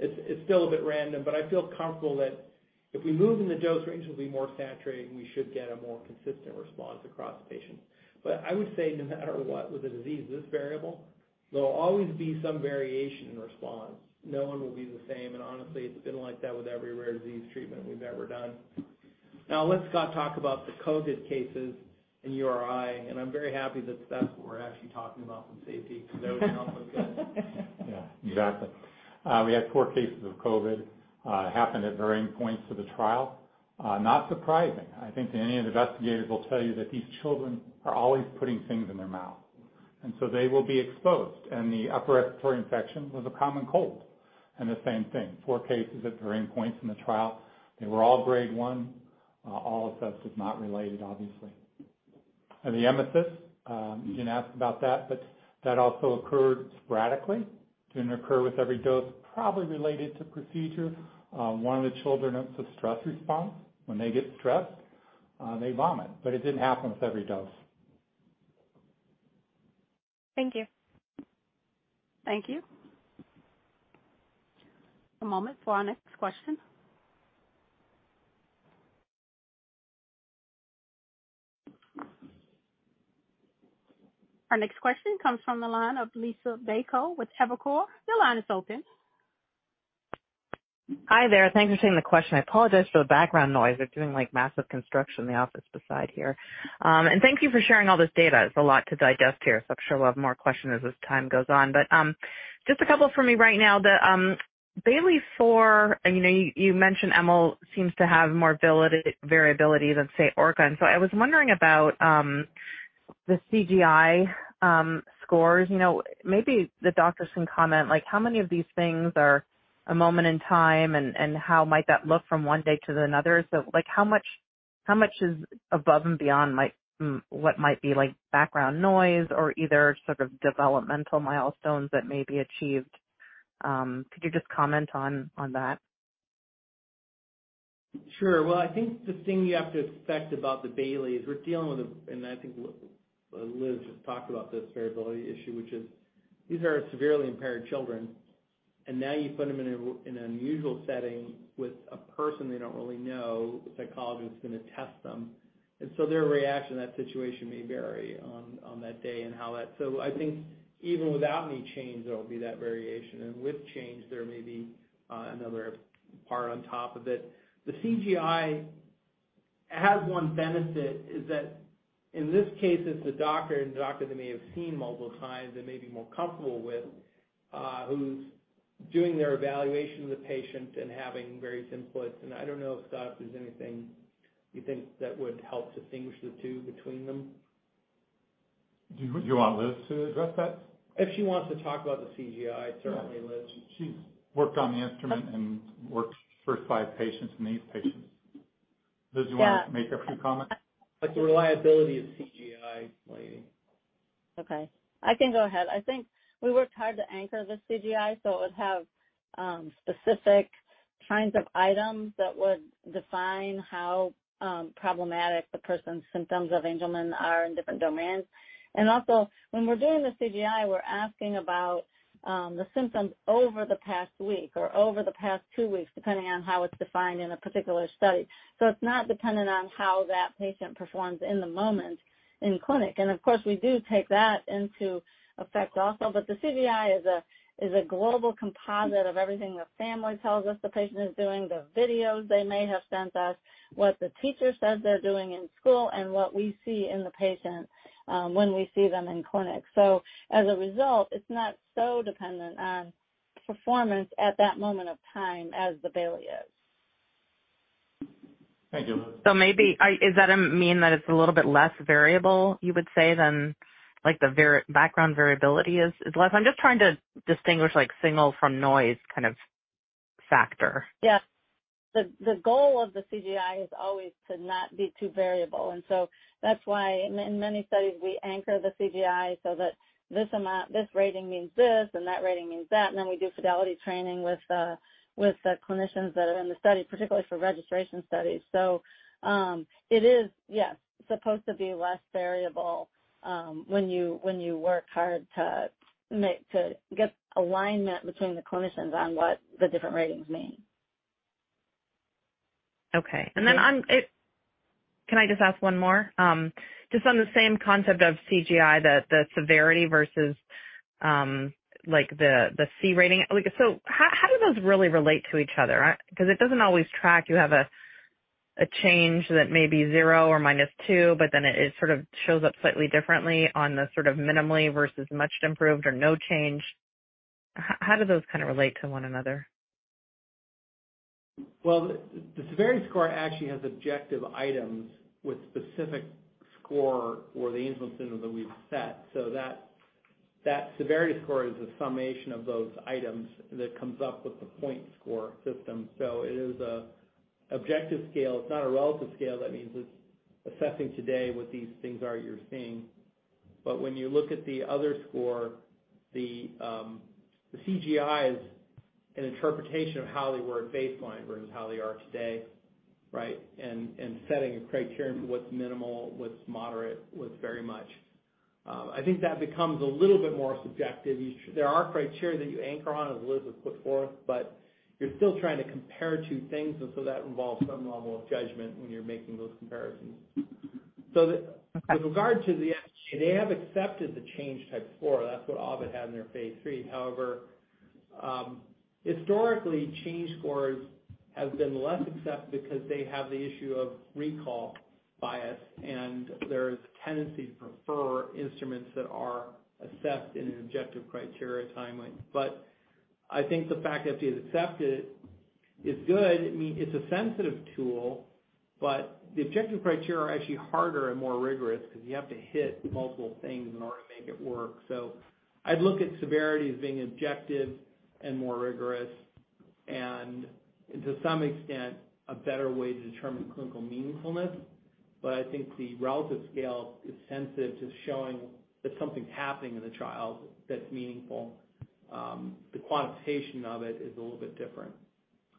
It's still a bit random, but I feel comfortable that if we move in the dose range, it will be more saturating. We should get a more consistent response across patients. I would say no matter what, with a disease this variable, there will always be some variation in response. No one will be the same. Honestly, it's been like that with every rare disease treatment we've ever done. Now let Scott talk about the COVID cases and URI, and I'm very happy that that's what we're actually talking about from safety, because everything else was good. Yeah, exactly. We had four cases of COVID, happened at varying points of the trial. Not surprising. I think any investigators will tell you that these children are always putting things in their mouth, and so they will be exposed. The upper respiratory infection was a common cold. The same thing, four cases at varying points in the trial. They were all grade one. All assessed as not related, obviously. The emesis, you didn't ask about that, but that also occurred sporadically. Didn't occur with every dose, probably related to procedure. One of the children has a stress response. When they get stressed, they vomit. But it didn't happen with every dose. Thank you. Thank you. A moment for our next question. Our next question comes from the line of Liisa Bayko with Evercore. Your line is open. Hi there. Thanks for taking the question. I apologize for the background noise. They're doing, like, massive construction in the office beside here. Thank you for sharing all this data. It's a lot to digest here, so I'm sure we'll have more questions as the time goes on. Just a couple from me right now. The Bayley-4, you know, you mentioned Emil seems to have more variability than, say, ORCA. I was wondering about the CGI scores. You know, maybe the doctors can comment on, like, how many of these things are a moment in time, and how might that look from one day to another? Like, how much is above and beyond what might be like background noise or either sort of developmental milestones that may be achieved? Could you just comment on that? Sure. Well, I think the thing you have to expect about the Bayley is we're dealing with, and I think Liz has talked about this variability issue, which is these are severely impaired children, and now you put them in an unusual setting with a person they don't really know, a psychologist who's gonna test them. Their reaction to that situation may vary on that day. I think even without any change, there will be that variation. With change, there may be another part on top of it. The CGI has one benefit is that in this case, it's the doctor and doctor they may have seen multiple times and may be more comfortable with, who's doing their evaluation of the patient and having various inputs. I don't know if, Scott, there's anything you think that would help distinguish the two between them. Do you want Liz to address that? If she wants to talk about the CGI, certainly, Liz. She's worked on the instrument and works first line patients and these patients. Liz, you wanna make a few comments? Like the reliability of CGI maybe. Okay, I can go ahead. I think we worked hard to anchor the CGI so it would have specific kinds of items that would define how problematic the person's symptoms of Angelman are in different domains. When we're doing the CGI, we're asking about the symptoms over the past week or over the past two weeks, depending on how it's defined in a particular study. It's not dependent on how that patient performs in the moment in clinic. Of course, we do take that into effect also. The CGI is a global composite of everything the family tells us the patient is doing, the videos they may have sent us, what the teacher says they're doing in school, and what we see in the patient when we see them in clinic. As a result, it's not so dependent on performance at that moment of time as the Bayley is. Thank you. Does that mean that it's a little bit less variable, you would say, than like the background variability is less? I'm just trying to distinguish like signal from noise kind of factor. Yeah. The goal of the CGI is always to not be too variable. That's why in many studies, we anchor the CGI so that this rating means this and that rating means that. We do fidelity training with the clinicians that are in the study, particularly for registration studies. It is, yes, supposed to be less variable when you work hard to get alignment between the clinicians on what the different ratings mean. Can I just ask one more? Just on the same concept of CGI, the severity versus like the C rating. So how do those really relate to each other? Because it doesn't always track. You have a change that may be zero or minus two, but then it sort of shows up slightly differently on the sort of minimally versus much improved or no change. How do those kind of relate to one another? Well, the severity score actually has objective items with specific score for the Angelman syndrome that we've set. That severity score is a summation of those items that comes up with the point score system. It is an objective scale. It's not a relative scale. That means it's assessing today what these things are you're seeing. But when you look at the other score, the CGI is an interpretation of how they were at baseline versus how they are today, right? And setting a criterion for what's minimal, what's moderate, what's very much. I think that becomes a little bit more subjective. There are criteria that you anchor on, as Liz has put forth, but you're still trying to compare two things, and so that involves some level of judgment when you're making those comparisons. With regard to the FDA, they have accepted the change type four. That's what Ovid had in their phase III. Historically, change scores have been less accepted because they have the issue of recall bias, and there's a tendency to prefer instruments that are assessed objectively and in a timely manner. I think the fact that it is accepted is good. I mean, it's a sensitive tool, but the objective criteria are actually harder and more rigorous because you have to hit multiple things in order to make it work. I'd look at severity as being objective and more rigorous and to some extent, a better way to determine clinical meaningfulness. I think the relative scale is sensitive to showing that something's happening in the trial that's meaningful. The quantification of it is a little bit different.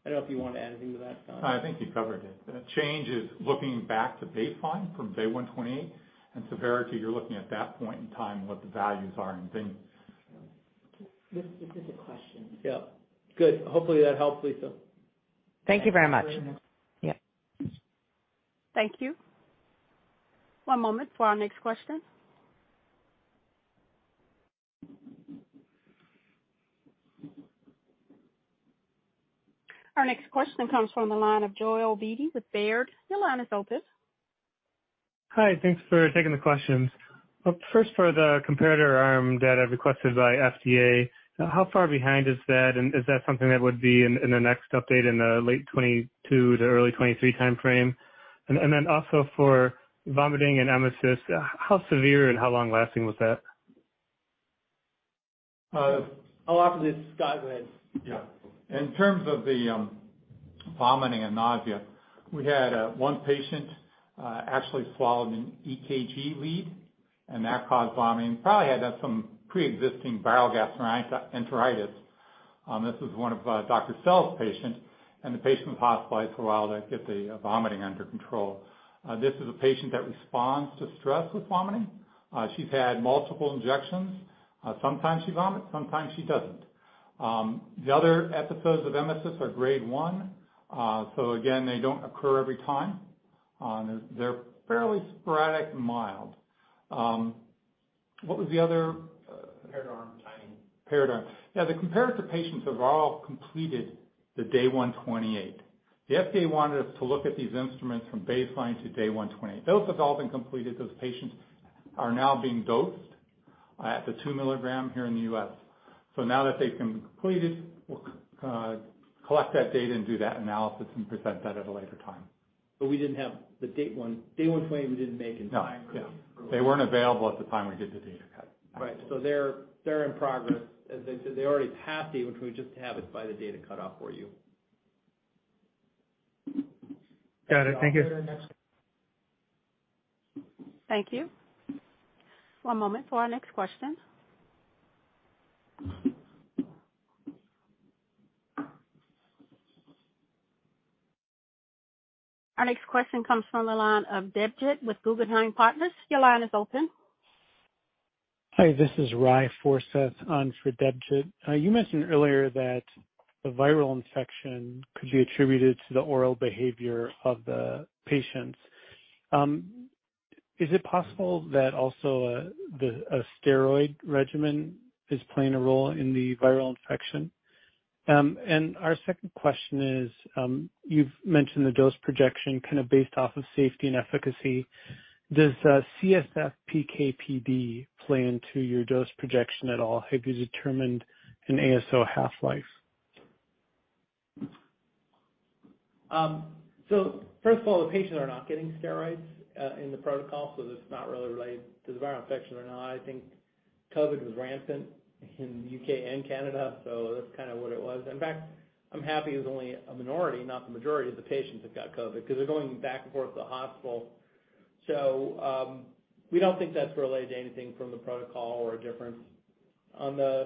I don't know if you want to add anything to that, Scott? No, I think you covered it. The change is looking back to baseline from day 128, and severity, you're looking at that point in time and what the values are and then. This is a question. Yeah. Good. Hopefully, that helps, Liisa. Thank you very much. Yeah. Thank you. One moment for our next question. Our next question comes from the line of Joel Beatty with Baird. Your line is open. Hi. Thanks for taking the questions. First, for the comparator arm data requested by FDA, how far behind is that, and is that something that would be in the next update in the late 2022 to early 2023 timeframe? Then also for vomiting and emesis, how severe and how long lasting was that? I'll offer this. Scott go ahead. Yeah. In terms of the vomiting and nausea, we had one patient actually swallowed an EKG lead, and that caused vomiting. Probably had some preexisting viral gastroenteritis. This was one of Dr. Sell's patients, and the patient was hospitalized for a while to get the vomiting under control. This is a patient that responds to stress with vomiting. She's had multiple injections. Sometimes she vomits, sometimes she doesn't. The other episodes of emesis are grade one. So again, they don't occur every time. They're fairly sporadic and mild. What was the other- Comparator arm timing. Yeah, the comparator patients have all completed the day 128. The FDA wanted us to look at these instruments from baseline to day 128. Those have all been completed. Those patients are now being dosed at the 2 mg here in the U.S. Now that they've completed, we'll collect that data and do that analysis and present that at a later time. We didn't have the date one. Day 128 we didn't make in time for the. No. Yeah. They weren't available at the time we did the data cut. Right. They're in progress. As I said, they already passed day 128. We just have it by the data cut-off for you. Got it. Thank you. Thank you. One moment for our next question. Our next question comes from the line of Debjit with Guggenheim Partners. Your line is open. Hi, this is Ry Forseth on for Debjit. You mentioned earlier that the viral infection could be attributed to the oral behavior of the patients. Is it possible that also the steroid regimen is playing a role in the viral infection? Our second question is, you've mentioned the dose projection kind of based off of safety and efficacy. Does CSF PK/PD play into your dose projection at all? Have you determined an ASO half-life? First of all, the patients are not getting steroids in the protocol, so that's not really related to the viral infection or not. I think COVID was rampant in the U.K. and Canada, so that's kinda what it was. In fact, I'm happy it was only a minority, not the majority of the patients that got COVID because they're going back and forth to the hospital. We don't think that's related to anything from the protocol or a difference. On the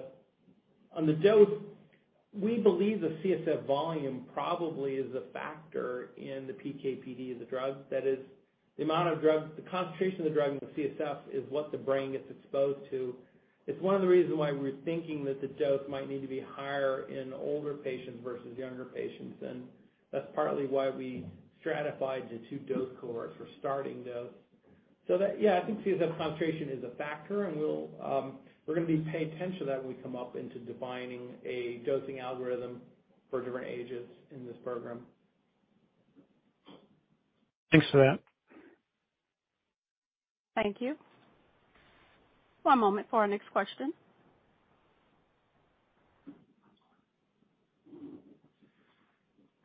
dose, we believe the CSF volume probably is a factor in the PK/PD of the drug. That is, the amount of drug, the concentration of the drug in the CSF is what the brain gets exposed to. It's one of the reasons why we're thinking that the dose might need to be higher in older patients versus younger patients, and that's partly why we stratified the two dose cohorts for starting dose. I think CSF concentration is a factor, and we'll, we're gonna be paying attention to that when we come up with defining a dosing algorithm for different ages in this program. Thanks for that. Thank you. One moment for our next question.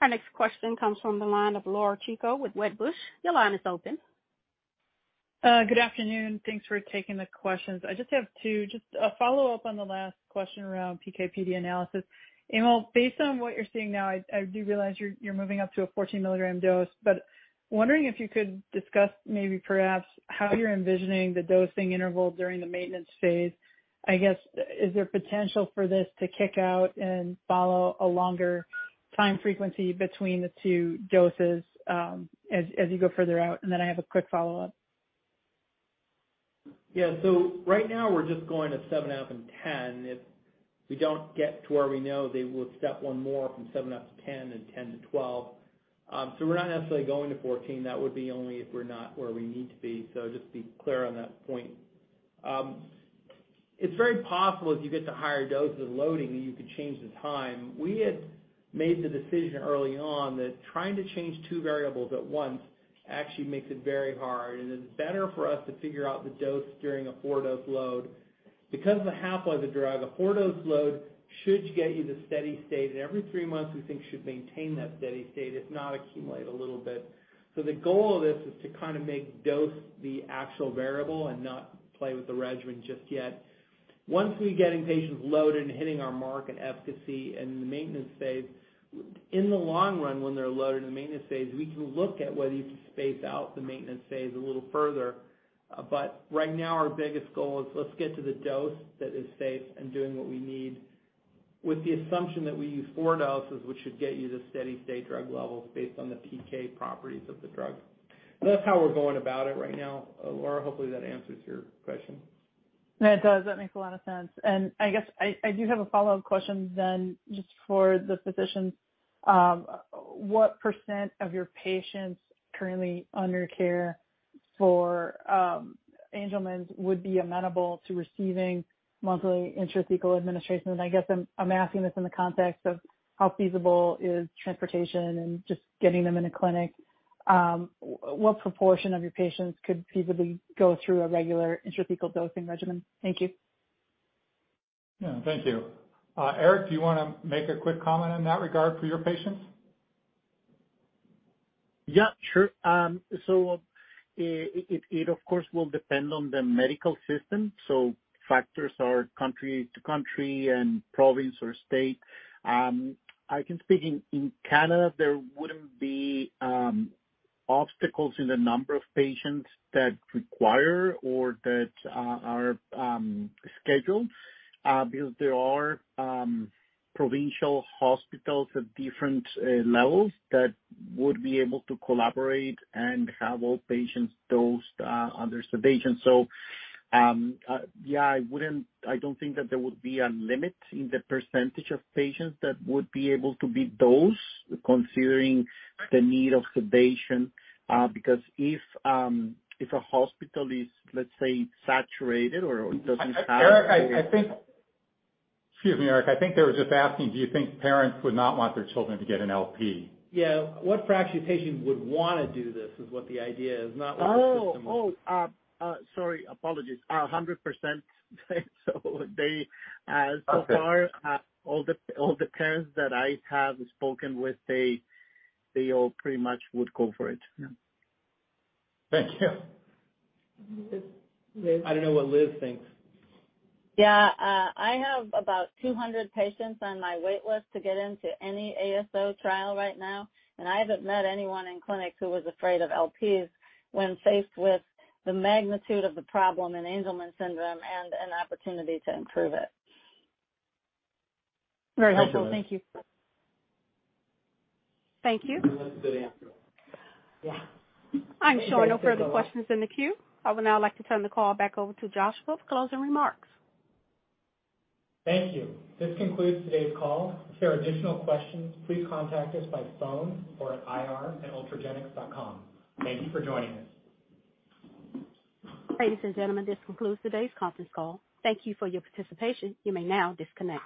Our next question comes from the line of Laura Chico with Wedbush. Your line is open. Good afternoon. Thanks for taking the questions. I just have two. Just a follow-up on the last question around PK/PD analysis. Emil, based on what you're seeing now, I do realize you're moving up to a 14 mg dose, but wondering if you could discuss maybe perhaps how you're envisioning the dosing interval during the maintenance phase. I guess, is there potential for this to kick out and follow a longer Time frequency between the two doses, as you go further out, and then I have a quick follow-up. Yeah. Right now we're just going to 7 mg up and 10 mg. If we don't get to where we know they would step one more from 7 mg up to 10 mg and 10 mg to 12 mg. We're not necessarily going to 14 mg. That would be only if we're not where we need to be. Just to be clear on that point. It's very possible as you get to higher doses loading that you could change the time. We had made the decision early on that trying to change two variables at once actually makes it very hard, and it's better for us to figure out the dose during a four-dose load. Because of the half-life of the drug, a four-dose load should get you to steady state, and every three months we think should maintain that steady state, if not accumulate a little bit. The goal of this is to kind of make dose the actual variable and not play with the regimen just yet. Once we get patients loaded and hitting our mark and efficacy in the maintenance phase, in the long run when they're loaded in the maintenance phase, we can look at whether you can space out the maintenance phase a little further. Right now our biggest goal is let's get to the dose that is safe and doing what we need with the assumption that we use four doses, which should get you to steady state drug levels based on the PK properties of the drug. That's how we're going about it right now. Laura, hopefully that answers your question. Yeah, it does. That makes a lot of sense. I guess I do have a follow-up question then just for the physician. What percent of your patients currently under care for Angelman's would be amenable to receiving monthly intrathecal administration? I guess I'm asking this in the context of how feasible is transportation and just getting them in a clinic. What proportion of your patients could feasibly go through a regular intrathecal dosing regimen? Thank you. Yeah. Thank you. Erick, do you wanna make a quick comment in that regard for your patients? Yeah, sure. It of course will depend on the medical system. Factors are country-to-country and province or state. I can speak in Canada there wouldn't be obstacles in the number of patients that require or that are scheduled, because there are provincial hospitals at different levels that would be able to collaborate and have all patients dosed under sedation. I don't think that there would be a limit in the percentage of patients that would be able to be dosed considering the need of sedation. Because if a hospital is, let's say, saturated or doesn't have- Erick, I think. Excuse me, Erick. I think they were just asking, do you think parents would not want their children to get an LP? Yeah. What fraction of patients would wanna do this is what the idea is. Oh. Sorry. Apologies. 100%. They Okay. So far, all the parents that I have spoken with, they all pretty much would go for it. Yeah. Thank you. Liz. I don't know what Liz thinks. Yeah. I have about 200 patients on my wait list to get into any ASO trial right now, and I haven't met anyone in clinic who was afraid of LPs when faced with the magnitude of the problem in Angelman syndrome and an opportunity to improve it. Very helpful. Thank you. That's it. Thank you. That's a good answer. Yeah. I'm showing no further questions in the queue. I would now like to turn the call back over to Joshua for closing remarks. Thank you. This concludes today's call. If there are additional questions, please contact us by phone or at ir.ultragenyx.com. Thank you for joining us. Ladies and gentlemen, this concludes today's conference call. Thank you for your participation. You may now disconnect.